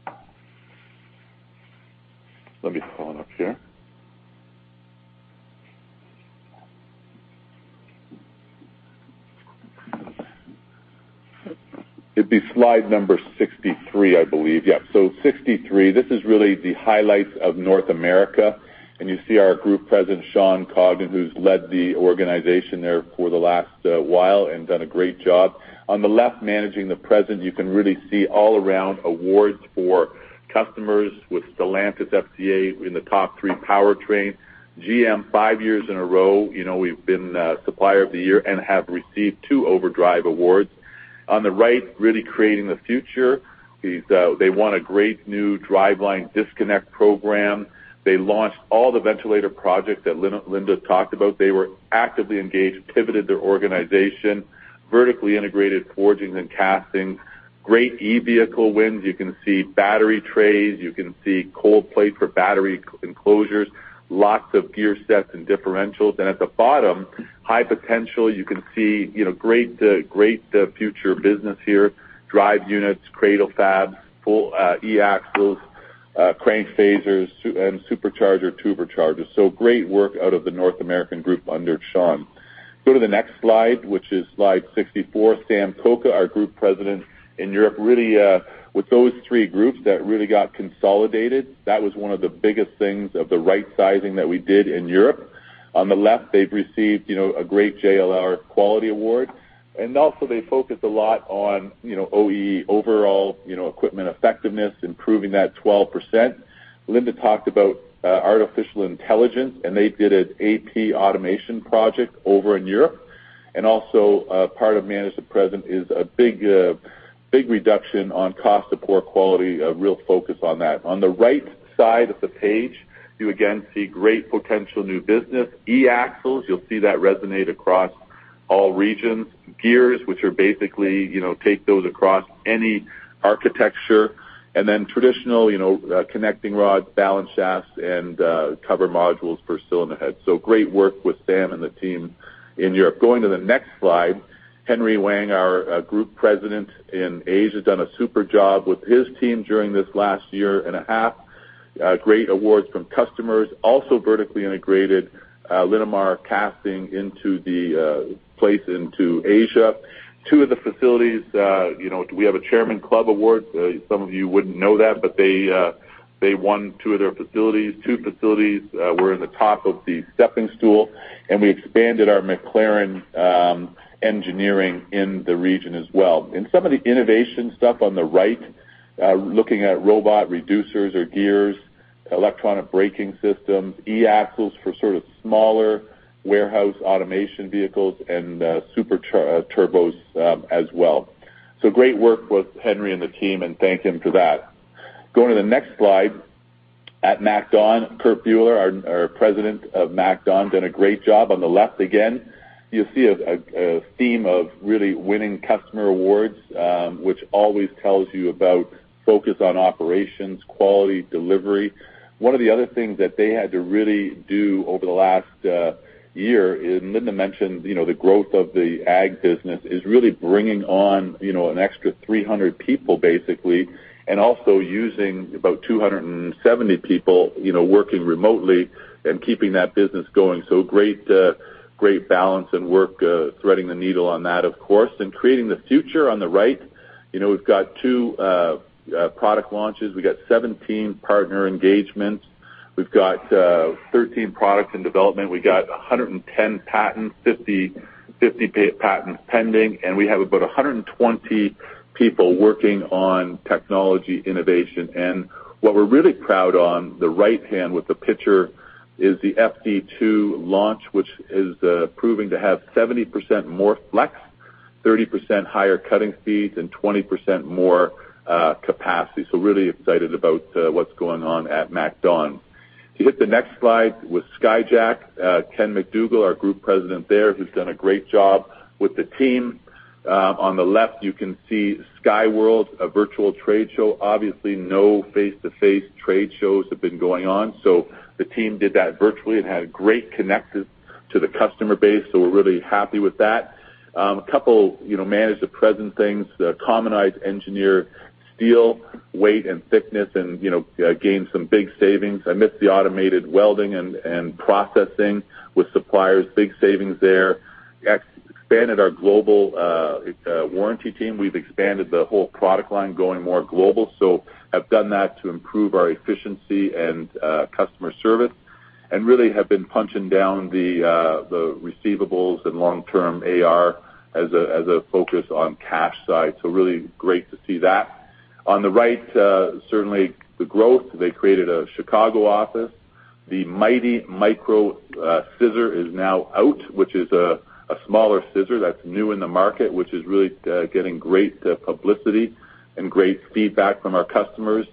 on. Let me pull it up here. It'd be slide number 63, I believe. Yeah. 63. This is really the highlights of North America. You see our group president, Sean Congdon, who's led the organization there for the last while and done a great job. On the left, managing the present, you can really see all around awards for customers with Stellantis FCA in the top three powertrain. GM, five years in a row, we've been Supplier of the Year and have received two Overdrive Awards. On the right, really creating the future. They won a great new driveline disconnect program. They launched all the ventilator projects that Linda talked about. They were actively engaged, pivoted their organization, vertically integrated forgings and casting, great e-vehicle wins. You can see battery trays, you can see cold plate for battery enclosures, lots of gear sets and differentials. At the bottom, high potential. You can see great future business here, drive units, cradle fabs, full e-axles, crank phasers, and supercharger turbochargers. Great work out of the North American group under Sean. Go to the next slide, which is slide 64. Sam Cocca, our Group President in Europe. Really, with those three groups that really got consolidated, that was one of the biggest things of the right sizing that we did in Europe. On the left, they've received a great JLR quality award. They also focused a lot on OEE overall equipment effectiveness, improving that 12%. Linda talked about artificial intelligence. They did an AP automation project over in Europe. Also, part of manage the present is a big reduction on cost of poor quality, a real focus on that. On the right side of the page, you again see great potential new business. eAxles, you'll see that resonate across all regions. Gears, which are basically take those across any architecture. Traditional connecting rods, balance shafts, and cover modules for cylinder heads. Great work with Sam and the team in Europe. Going to the next slide, Henry Huang, our Group President in Asia, done a super job with his team during this last year and a half. Great awards from customers, also vertically integrated Linamar casting into the place into Asia. Two of the facilities, we have a Chairman's Club award. Some of you wouldn't know that, but they won two of their facilities. Two facilities were in the top of the stepping stool, and we expanded our McLaren Engineering in the region as well. Some of the innovation stuff on the right, looking at robot reducers or gears, electronic braking systems, eAxles for sort of smaller warehouse automation vehicles, and super turbos as well. Great work with Henry and the team, and thank him for that. Going to the next slide. At MacDon, Kurt Buehler, our President of MacDon, done a great job. On the left, again, you'll see a theme of really winning customer awards, which always tells you about focus on operations, quality, delivery. One of the other things that they had to really do over the last year is, Linda mentioned the growth of the ag business is really bringing on an extra 300 people, basically, and also using about 270 people working remotely and keeping that business going. Great balance and work threading the needle on that, of course. Creating the future on the right. We've got two product launches. We've got 17 partner engagements. We've got 13 products in development. We got 110 patents, 50 patents pending, and we have about 120 people working on technology innovation. What we're really proud on, the right hand with the picture, is the FD2 launch, which is proving to have 70% more flex, 30% higher cutting speeds, and 20% more capacity. Really excited about what's going on at MacDon. If you hit the next slide with Skyjack, Ken McDougall, our group president there, who's done a great job with the team. On the left, you can see SKYWORLD, a virtual trade show. Obviously, no face-to-face trade shows have been going on. The team did that virtually and had great connections to the customer base, so we're really happy with that. A couple manage the present things, the commoditized engineered steel, weight, and thickness, gain some big savings. I miss the automated welding and processing with suppliers. Big savings there. Expanded our global warranty team. We've expanded the whole product line, going more global. Have done that to improve our efficiency and customer service and really have been punching down the receivables and long-term AR as a focus on cash side. Really great to see that. On the right, certainly the growth. They created a Chicago office. The Mighty Micro Scissor is now out, which is a smaller scissor that's new in the market, which is really getting great publicity and great feedback from our customers.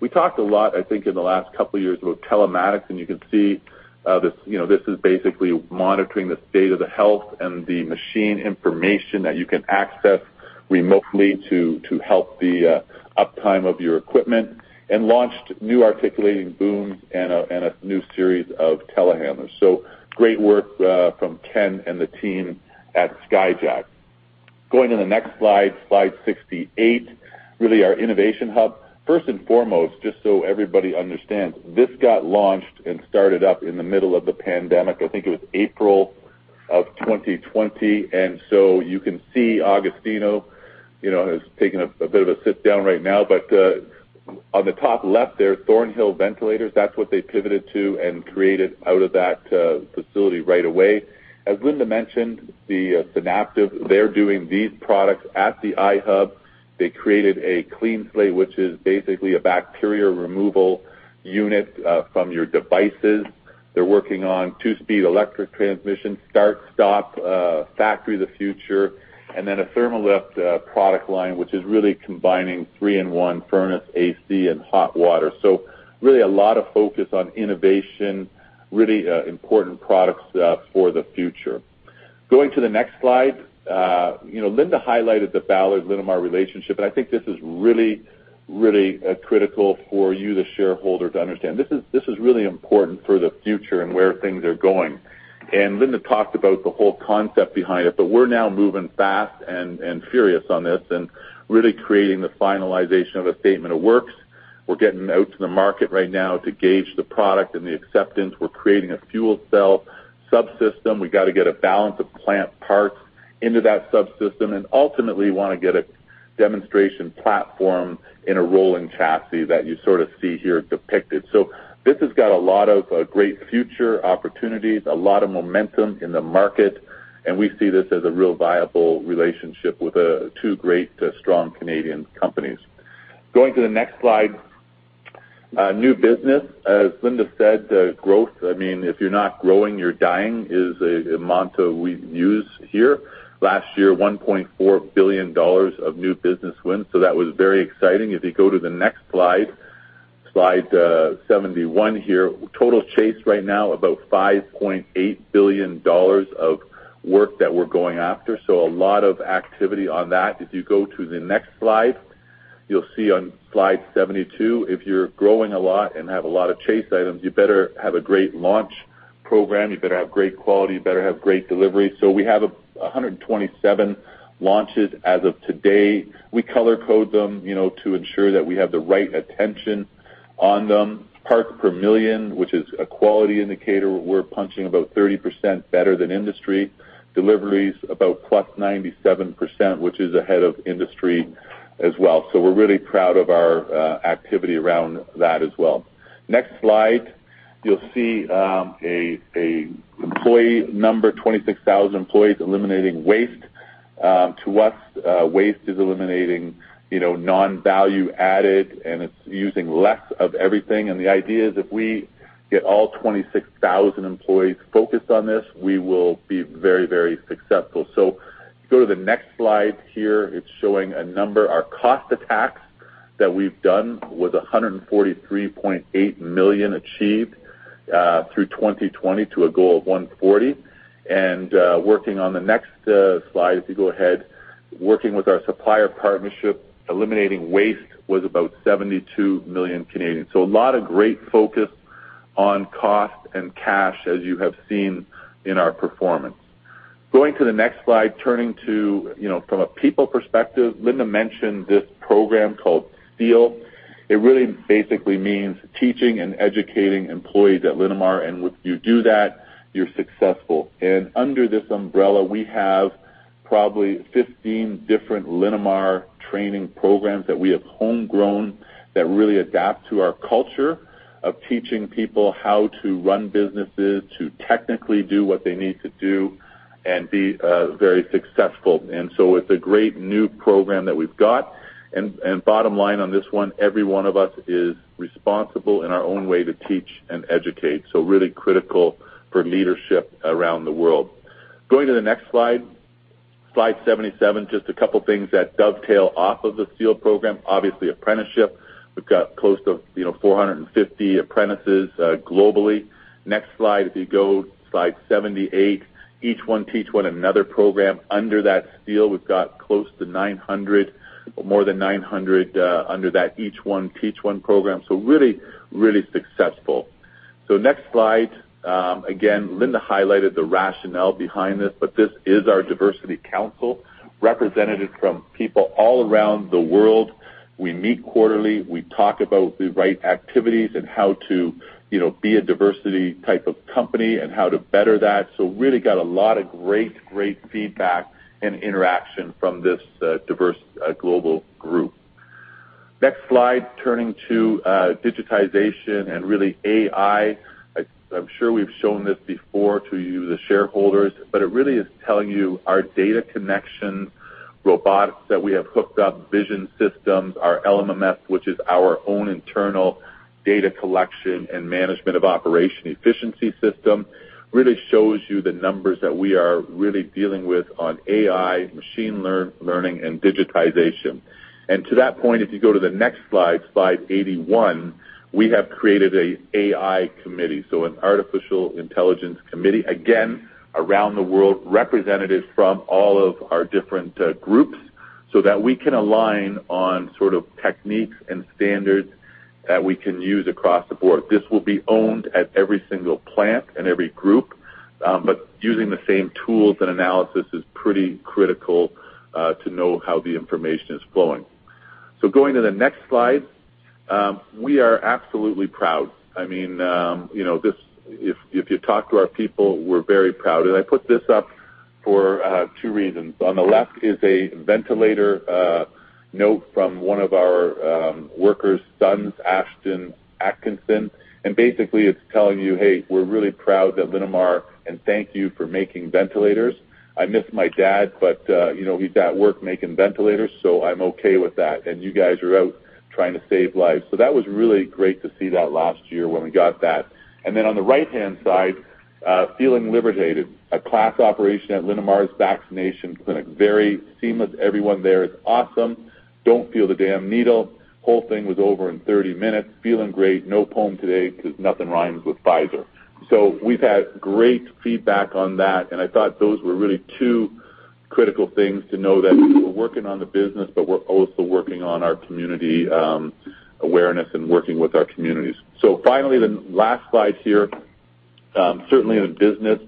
We talked a lot, I think, in the last couple of years about telematics, and you can see this is basically monitoring the state of the health and the machine information that you can access remotely to help the uptime of your equipment and launched new articulating booms and a new series of telehandlers. Great work from Ken and the team at Skyjack. Going to the next slide 68, really our innovation hub. First and foremost, just so everybody understands, this got launched and started up in the middle of the pandemic, I think it was April of 2020. You can see Agostino has taken a bit of a sit down right now, but on the top left there, Thornhill Ventilators, that's what they pivoted to and created out of that facility right away. As Linda mentioned, the Synaptive, they're doing these products at the iHub. They created a CleanSlate, which is basically a bacteria removal unit from your devices. They're working on two-speed electric transmission start, stop, factory of the future, and then a thermal lift product line, which is really combining three in one furnace, AC, and hot water. Really a lot of focus on innovation, really important products for the future. Going to the next slide. Linda highlighted the Ballard Linamar relationship. I think this is really, really critical for you, the shareholder, to understand. This is really important for the future and where things are going. Linda talked about the whole concept behind it, but we're now moving fast and furious on this and really creating the finalization of a statement of works. We're getting out to the market right now to gauge the product and the acceptance. We're creating a fuel cell subsystem. We got to get a balance of plant parts into that subsystem, and ultimately want to get a demonstration platform in a rolling chassis that you sort of see here depicted. This has got a lot of great future opportunities, a lot of momentum in the market, and we see this as a real viable relationship with two great strong Canadian companies. Going to the next slide, new business. As Linda said, growth, if you're not growing, you're dying is a mantra we use here. Last year, 1.4 billion dollars of new business wins. That was very exciting. If you go to the next slide 71 here. Total chase right now, about 5.8 billion dollars of work that we're going after. If you go to the next slide, you'll see on slide 72, if you're growing a lot and have a lot of chase items, you better have a great launch program. You better have great quality, better have great delivery. We have 127 launches as of today. We color code them to ensure that we have the right attention on them. Parts per million, which is a quality indicator. We're punching about 30% better than industry. Deliveries about plus 97%, which is ahead of industry as well. We're really proud of our activity around that as well. Next slide, you'll see a employee number 26,000 employees eliminating waste. To us, waste is eliminating non-value added, and it's using less of everything. The idea is if we get all 26,000 employees focused on this, we will be very, very successful. If you go to the next slide here, it's showing a number, our cost and cash that we've done with 143.8 million achieved through 2020 to a goal of 140 million. Working on the next slide, if you go ahead, working with our supplier partnership, eliminating waste was about 72 million. A lot of great focus on cost and cash, as you have seen in our performance. Going to the next slide, turning to from a people perspective, Linda mentioned this program called SEAL. It really basically means Teaching and Educating Employees at Linamar, and if you do that, you're successful. Under this umbrella, we have probably 15 different Linamar training programs that we have homegrown that really adapt to our culture of teaching people how to run businesses, to technically do what they need to do, and be very successful. It's a great new program that we've got. Bottom line on this one, every one of us is responsible in our own way to teach and educate, so really critical for leadership around the world. Going to the next slide 77, just a couple things that dovetail off of the SEAL program. Obviously, apprenticeship. We've got close to 450 apprentices globally. Next slide, if you go to slide 78, Each One Teach One, another program under that SEAL. We've got close to 900 or more than 900 under that Each One Teach One program, so really, really successful. Next slide, again, Linda highlighted the rationale behind this, but this is our diversity council, representatives from people all around the world. We meet quarterly. We talk about the right activities and how to be a diversity type of company and how to better that. Really got a lot of great feedback and interaction from this diverse global group. Next slide, turning to digitization and really AI. I'm sure we've shown this before to you, the shareholders, but it really is telling you our data connection, robotics that we have hooked up, vision systems, our LMMS, which is our own internal data collection and management of operation efficiency system, really shows you the numbers that we are really dealing with on AI, machine learning, and digitization. To that point, if you go to the next slide 81, we have created an AI committee, so an artificial intelligence committee, again, around the world, representatives from all of our different groups so that we can align on sort of techniques and standards that we can use across the board. This will be owned at every single plant and every group, using the same tools and analysis is pretty critical to know how the information is flowing. Going to the next slide, we are absolutely proud. If you talk to our people, we're very proud. I put this up for two reasons. On the left is a ventilator note from one of our workers' sons, Ashton Atkinson, and basically it's telling you, "Hey, we're really proud of Linamar, and thank you for making ventilators. I miss my dad, but he's at work making ventilators, so I'm okay with that. You guys are out trying to save lives." That was really great to see that last year when we got that. On the right-hand side, "Feeling liberated. A class operation at Linamar's vaccination clinic. Very seamless, everyone there is awesome. Don't feel the damn needle. Whole thing was over in 30 minutes. Feeling great. No poem today because nothing rhymes with Pfizer. We've had great feedback on that, and I thought those were really two critical things to know that we're working on the business, but we're also working on our community awareness and working with our communities. Finally, the last slide here, certainly in a business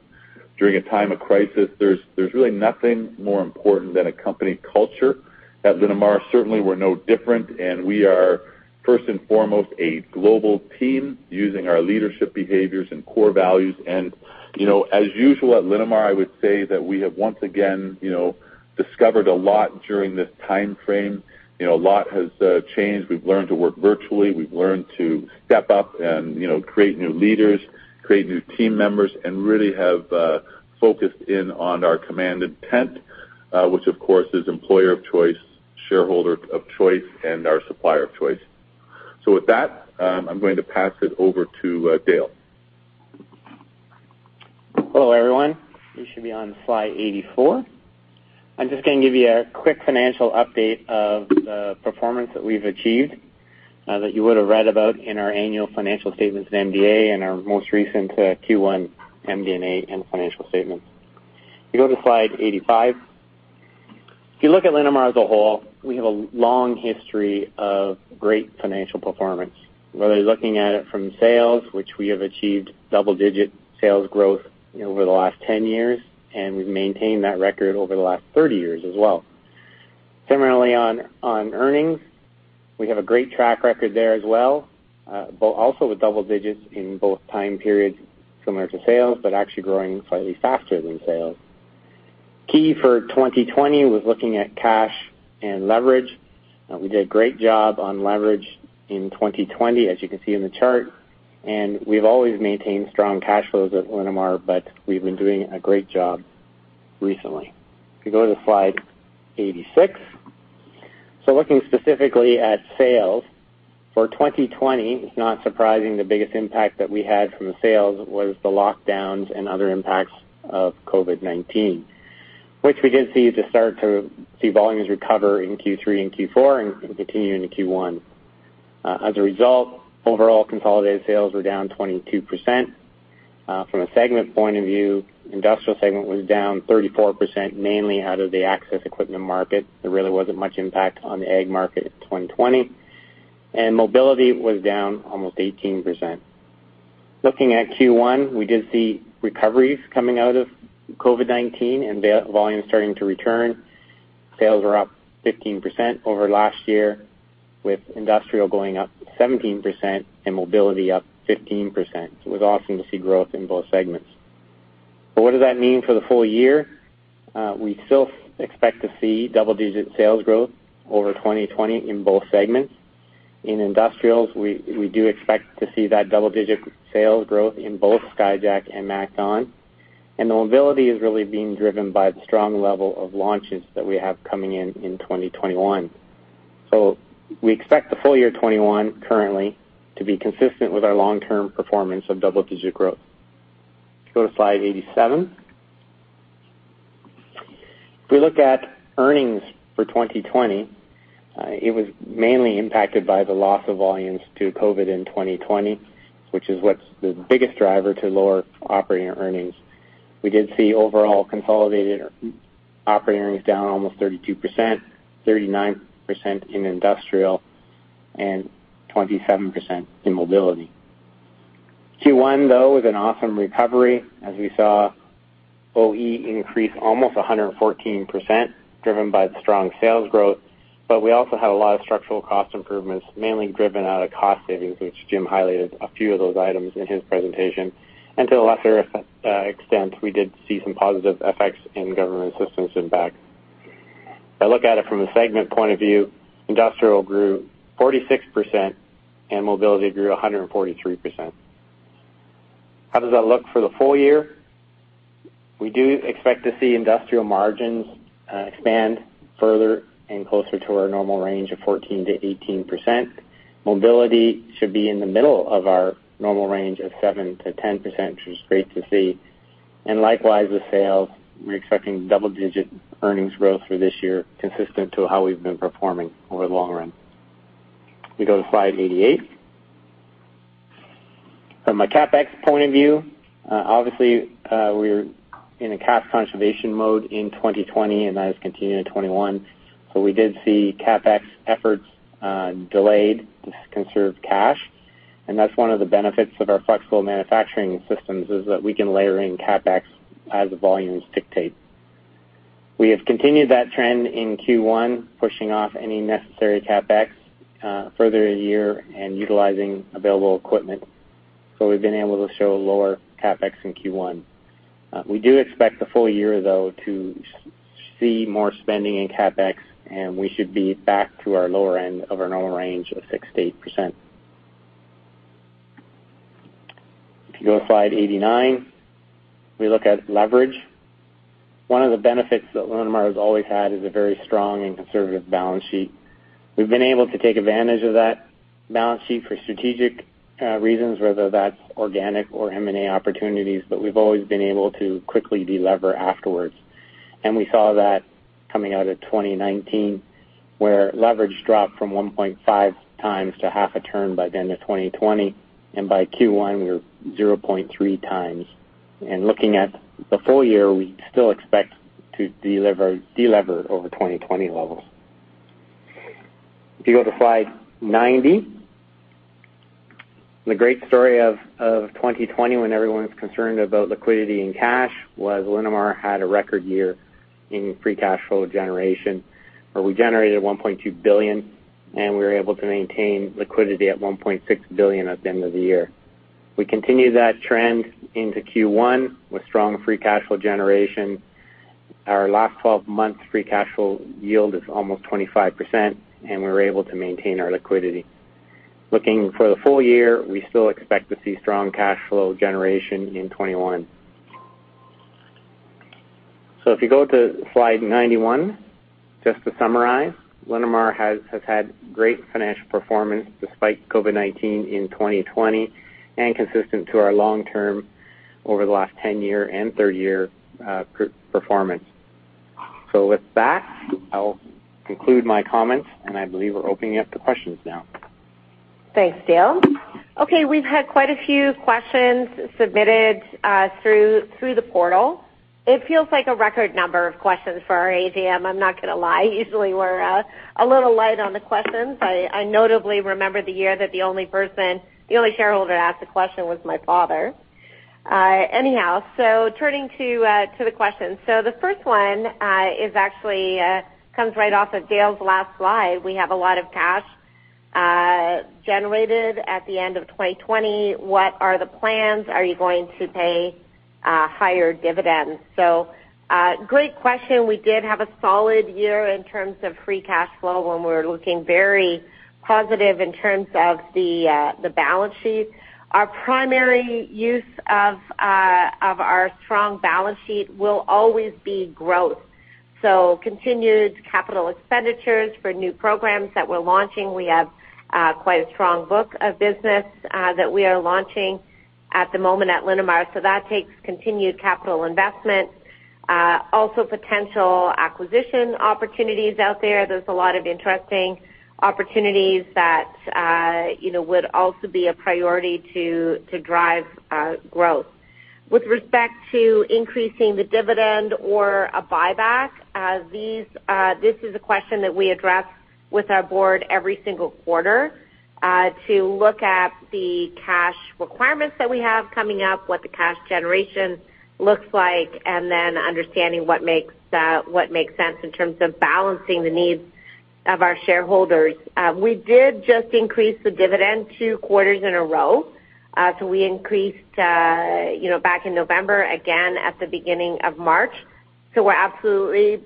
during a time of crisis, there's really nothing more important than a company culture. At Linamar, certainly we're no different, and we are first and foremost a global team using our leadership behaviors and core values. As usual at Linamar, I would say that we have once again discovered a lot during this time frame. A lot has changed. We've learned to work virtually. We've learned to step up and create new leaders, create new team members, and really have focused in on our command intent, which of course is employer of choice, shareholder of choice, and our supplier of choice. With that, I'm going to pass it over to Dale. Hello, everyone. We should be on slide 84. I'm just going to give you a quick financial update of the performance that we've achieved that you would have read about in our annual financial statements in MD&A and our most recent Q1 MD&A and financial statements. You go to slide 85. If you look at Linamar as a whole, we have a long history of great financial performance, really looking at it from sales, which we have achieved double-digit sales growth over the last 10 years, and we've maintained that record over the last 30 years as well. Similarly, on earnings, we have a great track record there as well, but also with double digits in both time periods similar to sales, but actually growing slightly faster than sales. Key for 2020 was looking at cash and leverage. We did a great job on leverage in 2020, as you can see in the chart, and we've always maintained strong cash flows at Linamar, but we've been doing a great job recently. If you go to slide 86, looking specifically at sales for 2020, it's not surprising the biggest impact that we had from the sales was the lockdowns and other impacts of COVID-19, which we can see to start to see volumes recover in Q3 and Q4 and continue into Q1. As a result, overall consolidated sales were down 22%. From a segment point of view, industrial segment was down 34%, mainly out of the access equipment market. There really wasn't much impact on the Ag market in 2020. Mobility was down almost 18%. Looking at Q1, we did see recoveries coming out of COVID-19 and volume starting to return. Sales were up 15% over last year, with industrial going up 17% and mobility up 15%. It was awesome to see growth in both segments. What does that mean for the full year? We still expect to see double-digit sales growth over 2020 in both segments. In industrials, we do expect to see that double-digit sales growth in both Skyjack and MacDon. Mobility is really being driven by the strong level of launches that we have coming in 2021. We expect the full year 2021 currently to be consistent with our long-term performance on double-digit growth. Go to slide 87. If we look at earnings for 2020, it was mainly impacted by the loss of volumes due to COVID-19 in 2020, which is what's the biggest driver to lower operating earnings. We did see overall consolidated operating earnings down almost 32%, 39% in industrial and 27% in mobility. Q1, though, was an awesome recovery. We saw, OEE increased almost 114%, driven by the strong sales growth. We also had a lot of structural cost improvements, mainly driven out of cost savings, which Jim highlighted a few of those items in his presentation. To a lesser extent, we did see some positive effects in government systems impact. If I look at it from a segment point of view, industrial grew 46% and mobility grew 143%. How does that look for the full year? We do expect to see industrial margins expand further and closer to our normal range of 14%-18%. Mobility should be in the middle of our normal range of 7%-10%, which is great to see. Likewise with sales, we're expecting double-digit earnings growth for this year, consistent to how we've been performing over the long run. We go to slide 88. From a CapEx point of view, obviously, we're in a cash conservation mode in 2020, and that has continued in 2021. We did see CapEx efforts delayed to conserve cash. That's one of the benefits of our flexible manufacturing systems is that we can layer in CapEx as the volumes dictate. We have continued that trend in Q1, pushing off any necessary CapEx further a year and utilizing available equipment. We've been able to show lower CapEx in Q1. We do expect the full year, though, to see more spending in CapEx, and we should be back to our lower end of our normal range of 6%-8%. If you go to slide 89, we look at leverage. One of the benefits that Linamar has always had is a very strong and conservative balance sheet. We've been able to take advantage of that balance sheet for strategic reasons, whether that's organic or M&A opportunities, but we've always been able to quickly delever afterwards. We saw that coming out of 2019, where leverage dropped from 1.5x to half a turn by the end of 2020, and by Q1, we were 0.3x. Looking at the full year, we still expect to delever over 2020 levels. If you go to slide 90. The great story of 2020, when everyone's concerned about liquidity and cash, was Linamar had a record year in free cash flow generation, where we generated 1.2 billion, and we were able to maintain liquidity at 1.6 billion at the end of the year. We continued that trend into Q1 with strong free cash flow generation. Our last 12 months free cash flow yield is almost 25%, and we were able to maintain our liquidity. Looking for the full year, we still expect to see strong cash flow generation in 2021. If you go to slide 91, just to summarize, Linamar has had great financial performance despite COVID-19 in 2020 and consistent to our long-term over the last 10-year and 30-year performance. With that, I'll conclude my comments, and I believe we're opening up the questions now. Thanks, Dale. Okay, we've had quite a few questions submitted through the portal. It feels like a record number of questions for our AGM, I'm not going to lie. Usually we're a little light on the questions, but I notably remember the year that the only shareholder that asked a question was my father. Anyhow, turning to the questions. The first one actually comes right off of Dale's last slide. We have a lot of cash generated at the end of 2020. What are the plans? Are you going to pay higher dividends? Great question. We did have a solid year in terms of free cash flow, and we're looking very positive in terms of the balance sheet. Our primary use of our strong balance sheet will always be growth. Continued capital expenditures for new programs that we're launching. We have quite a strong book of business that we are launching at the moment at Linamar, so that takes continued capital investment. Also, potential acquisition opportunities out there. There's a lot of interesting opportunities that would also be a priority to drive growth. With respect to increasing the dividend or a buyback, this is a question that we address with our board every single quarter to look at the cash requirements that we have coming up, what the cash generation looks like, and then understanding what makes sense in terms of balancing the needs of our shareholders. We did just increase the dividend two quarters in a row. We increased back in November, again at the beginning of March. We're absolutely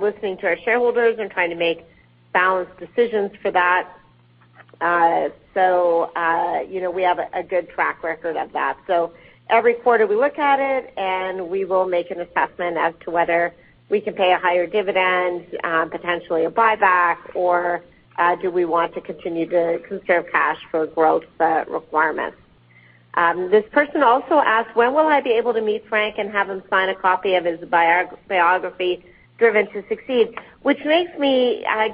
listening to our shareholders and trying to make balanced decisions for that. We have a good track record of that. Every quarter we look at it, and we will make an assessment as to whether we can pay a higher dividend, potentially a buyback, or do we want to continue to conserve cash for growth requirements. This person also asked, "When will I be able to meet Frank and have him sign a copy of his biography, 'Driven to Succeed?'" This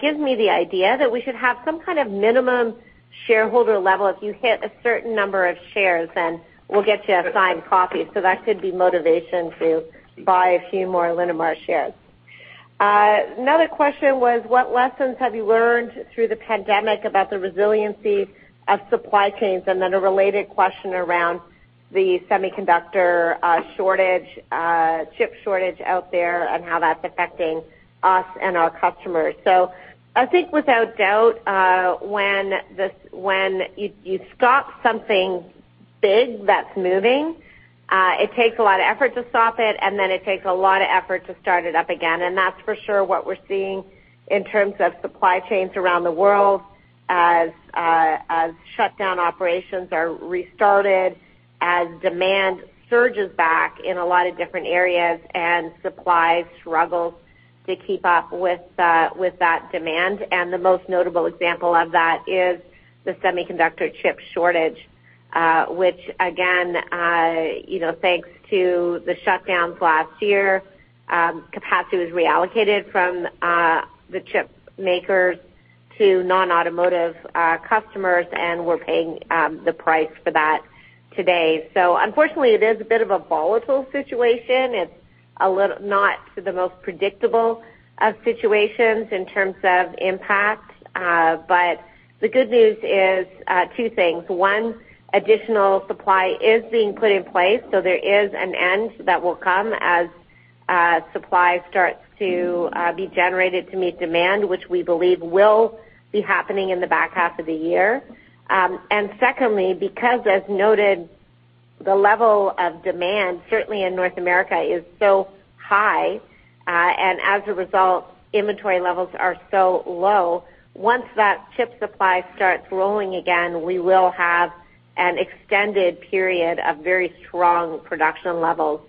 gives me the idea that we should have some kind of minimum shareholder level. If you hit a certain number of shares, then we'll get you a signed copy. That could be motivation to buy a few more Linamar shares. Another question was, what lessons have you learned through the pandemic about the resiliency of supply chains? A related question around the semiconductor shortage, chip shortage out there, and how that's affecting us and our customers. I think without doubt when you stop something big that's moving, it takes a lot of effort to stop it, and then it takes a lot of effort to start it up again. That's for sure what we're seeing in terms of supply chains around the world as shutdown operations are restarted, as demand surges back in a lot of different areas and supply struggles to keep up with that demand. The most notable example of that is the semiconductor chip shortage, which again, thanks to the shutdowns last year, capacity was reallocated from the chip makers to non-automotive customers, and we're paying the price for that today. Unfortunately, it is a bit of a volatile situation. It's not the most predictable of situations in terms of impact. The good news is two things. Additional supply is being put in place, so there is an end that will come as supply starts to be generated to meet demand, which we believe will be happening in the back half of the year. Secondly, because as noted, the level of demand, certainly in North America, is so high, and as a result, inventory levels are so low. Once that chip supply starts rolling again, we will have an extended period of very strong production levels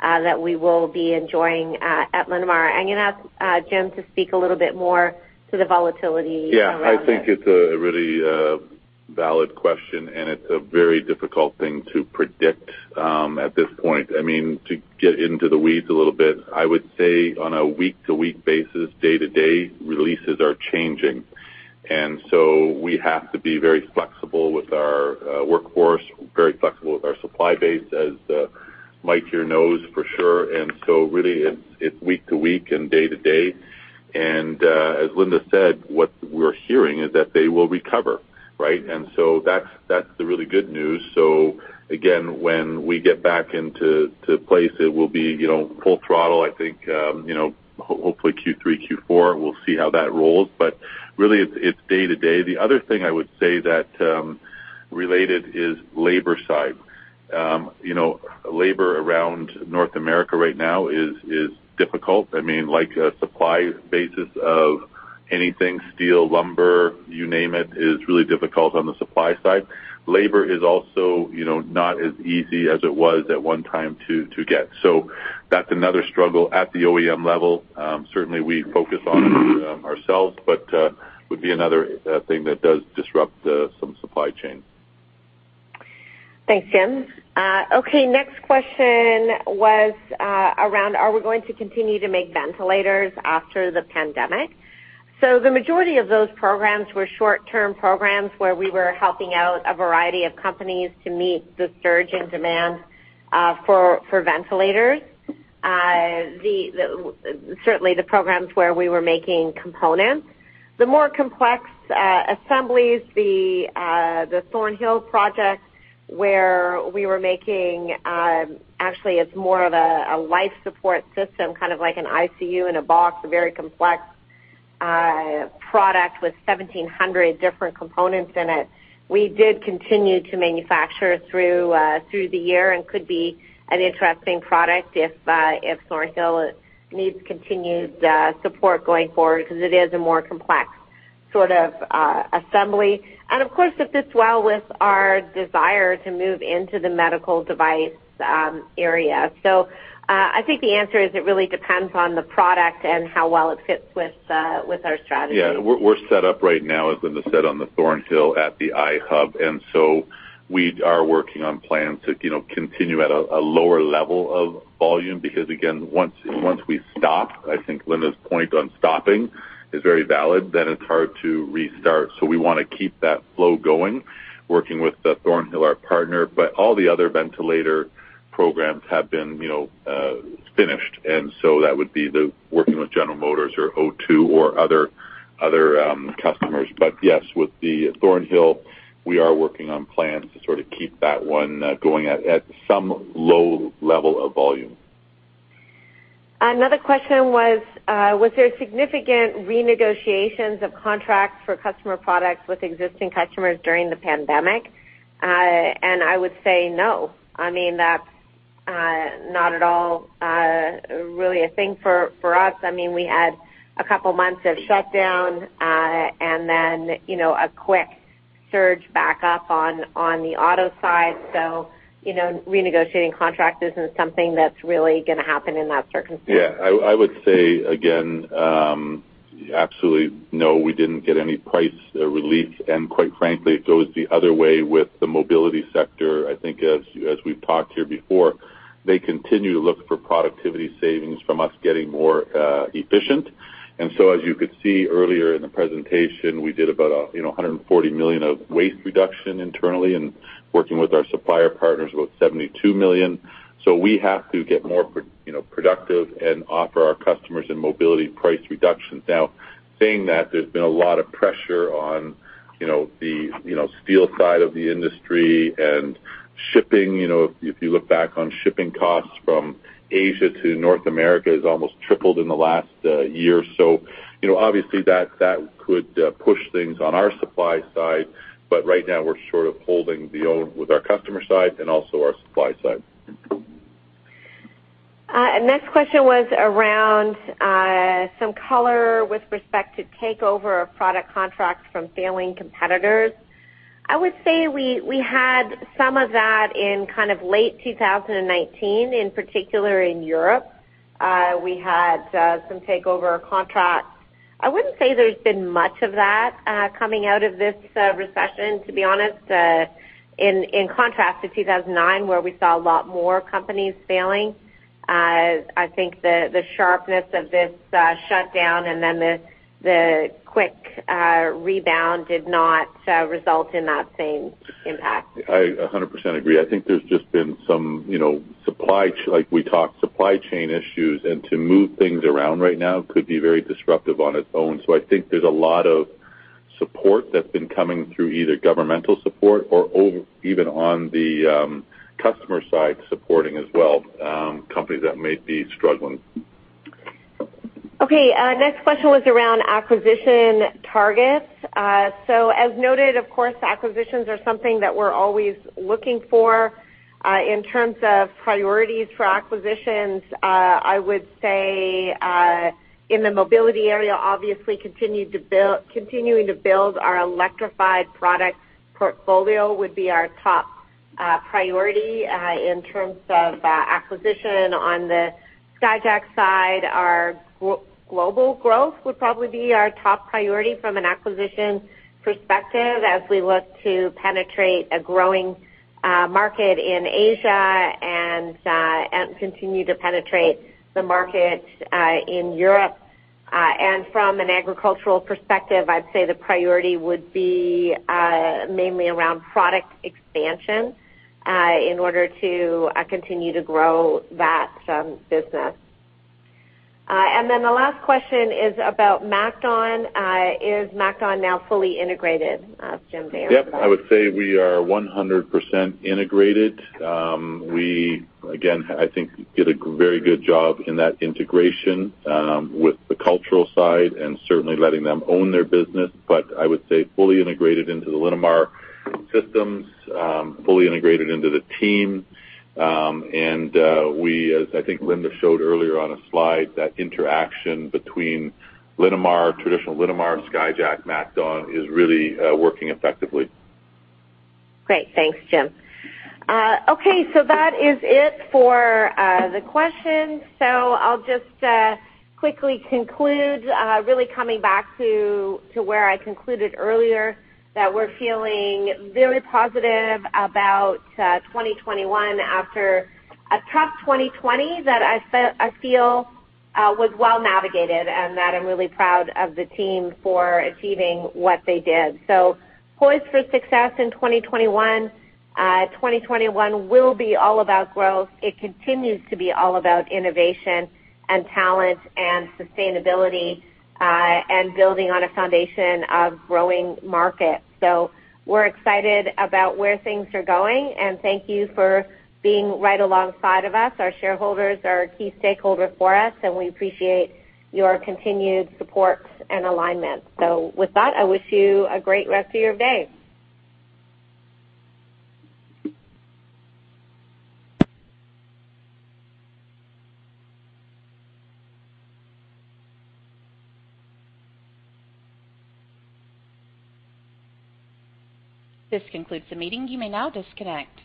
that we will be enjoying at Linamar. I'm going to ask Jim to speak a little bit more to the volatility around that. Yeah, I think it's a really valid question, and it's a very difficult thing to predict at this point. To get into the weeds a little bit, I would say on a week-to-week basis, day-to-day, releases are changing. We have to be very flexible with our workforce, very flexible with our supply base, as Mike here knows for sure. Really, it's week to week and day to day. As Linda said, what we're hearing is that they will recover, right? That's the really good news. Again, when we get back into place, it will be full throttle, I think, hopefully Q3, Q4. We'll see how that rolls. Really, it's day to day. The other thing I would say that related is labor side. Labor around North America right now is difficult. Like a supply basis of anything, steel, lumber, you name it, is really difficult on the supply side. Labor is also not as easy as it was at one time to get. That's another struggle at the OEM level. Certainly, we focus on it ourselves, but would be another thing that does disrupt some supply chain. Thanks, Jim. Okay, next question was around are we going to continue to make ventilators after the pandemic? The majority of those programs were short-term programs where we were helping out a variety of companies to meet the surge in demand for ventilators. Certainly, the programs where we were making components. The more complex assemblies, the Thornhill project, where we were making, actually, it's more of a life support system, kind of like an ICU in a box, a very complex product with 1,700 different components in it. We did continue to manufacture through the year and could be an interesting product if Thornhill needs continued support going forward because it is a more complex sort of assembly. Of course, it fits well with our desire to move into the medical device area. I think the answer is it really depends on the product and how well it fits with our strategy. Yeah, we're set up right now, as Linda said, on the Thornhill at the iHub, and so we are working on plans to continue at a lower level of volume because, again, once we stop, I think Linda's point on stopping is very valid, then it's hard to restart. We want to keep that flow going, working with Thornhill, our partner. All the other ventilator programs have been finished. That would be the working with General Motors or O2 or other customers. Yes, with the Thornhill, we are working on plans to sort of keep that one going at some low level of volume. Another question was: was there significant renegotiations of contracts for customer products with existing customers during the pandemic? I would say no. That's not at all really a thing for us. We had a couple of months of shutdown, and then a quick surge back up on the auto side. Renegotiating contracts isn't something that's really going to happen in that circumstance. Yeah, I would say again, absolutely no, we didn't get any price relief. Quite frankly, it goes the other way with the mobility sector. I think as we've talked here before, they continue to look for productivity savings from us getting more efficient. As you could see earlier in the presentation, we did about 140 million of waste reduction internally and working with our supplier partners, about 72 million. We have to get more productive and offer our customers in mobility price reductions. Saying that, there's been a lot of pressure on the steel side of the industry and shipping. If you look back on shipping costs from Asia to North America has almost tripled in the last year. Obviously that could push things on our supply side, but right now we're sort of holding our own with our customer side and also our supply side. Next question was around some color with respect to takeover of product contracts from failing competitors. I would say we had some of that in kind of late 2019, in particular in Europe. We had some takeover contracts. I wouldn't say there's been much of that coming out of this recession, to be honest, in contrast to 2009, where we saw a lot more companies failing. I think the sharpness of this shutdown and then the quick rebound did not result in that same impact. I 100% agree. I think there's just been some supply, like we talked, supply chain issues, to move things around right now could be very disruptive on its own. I think there's a lot of support that's been coming through, either governmental support or even on the customer side supporting as well, companies that may be struggling. Okay. Next question was around acquisition targets. As noted, of course, acquisitions are something that we're always looking for. In terms of priorities for acquisitions, I would say, in the mobility area, obviously continuing to build our electrified product portfolio would be our top priority in terms of acquisition. On the Skyjack side, our global growth would probably be our top priority from an acquisition perspective as we look to penetrate a growing market in Asia and continue to penetrate the market in Europe. From an agricultural perspective, I'd say the priority would be mainly around product expansion, in order to continue to grow that business. The last question is about MacDon. Is MacDon now fully integrated? Jim, do you want to take that? Yep, I would say we are 100% integrated. We, again, I think did a very good job in that integration with the cultural side and certainly letting them own their business. I would say fully integrated into the Linamar systems, fully integrated into the team. We, as I think Linda showed earlier on a slide, that interaction between traditional Linamar, Skyjack, MacDon is really working effectively. Great. Thanks, Jim. Okay, that is it for the questions. I'll just quickly conclude, really coming back to where I concluded earlier, that we're feeling very positive about 2021 after a tough 2020 that I feel was well navigated and that I'm really proud of the team for achieving what they did. Poised for success in 2021. 2021 will be all about growth. It continues to be all about innovation and talent and sustainability, and building on a foundation of growing markets. We're excited about where things are going, and thank you for being right alongside of us. Our shareholders are a key stakeholder for us, and we appreciate your continued support and alignment. With that, I wish you a great rest of your day. This concludes the meeting. You may now disconnect.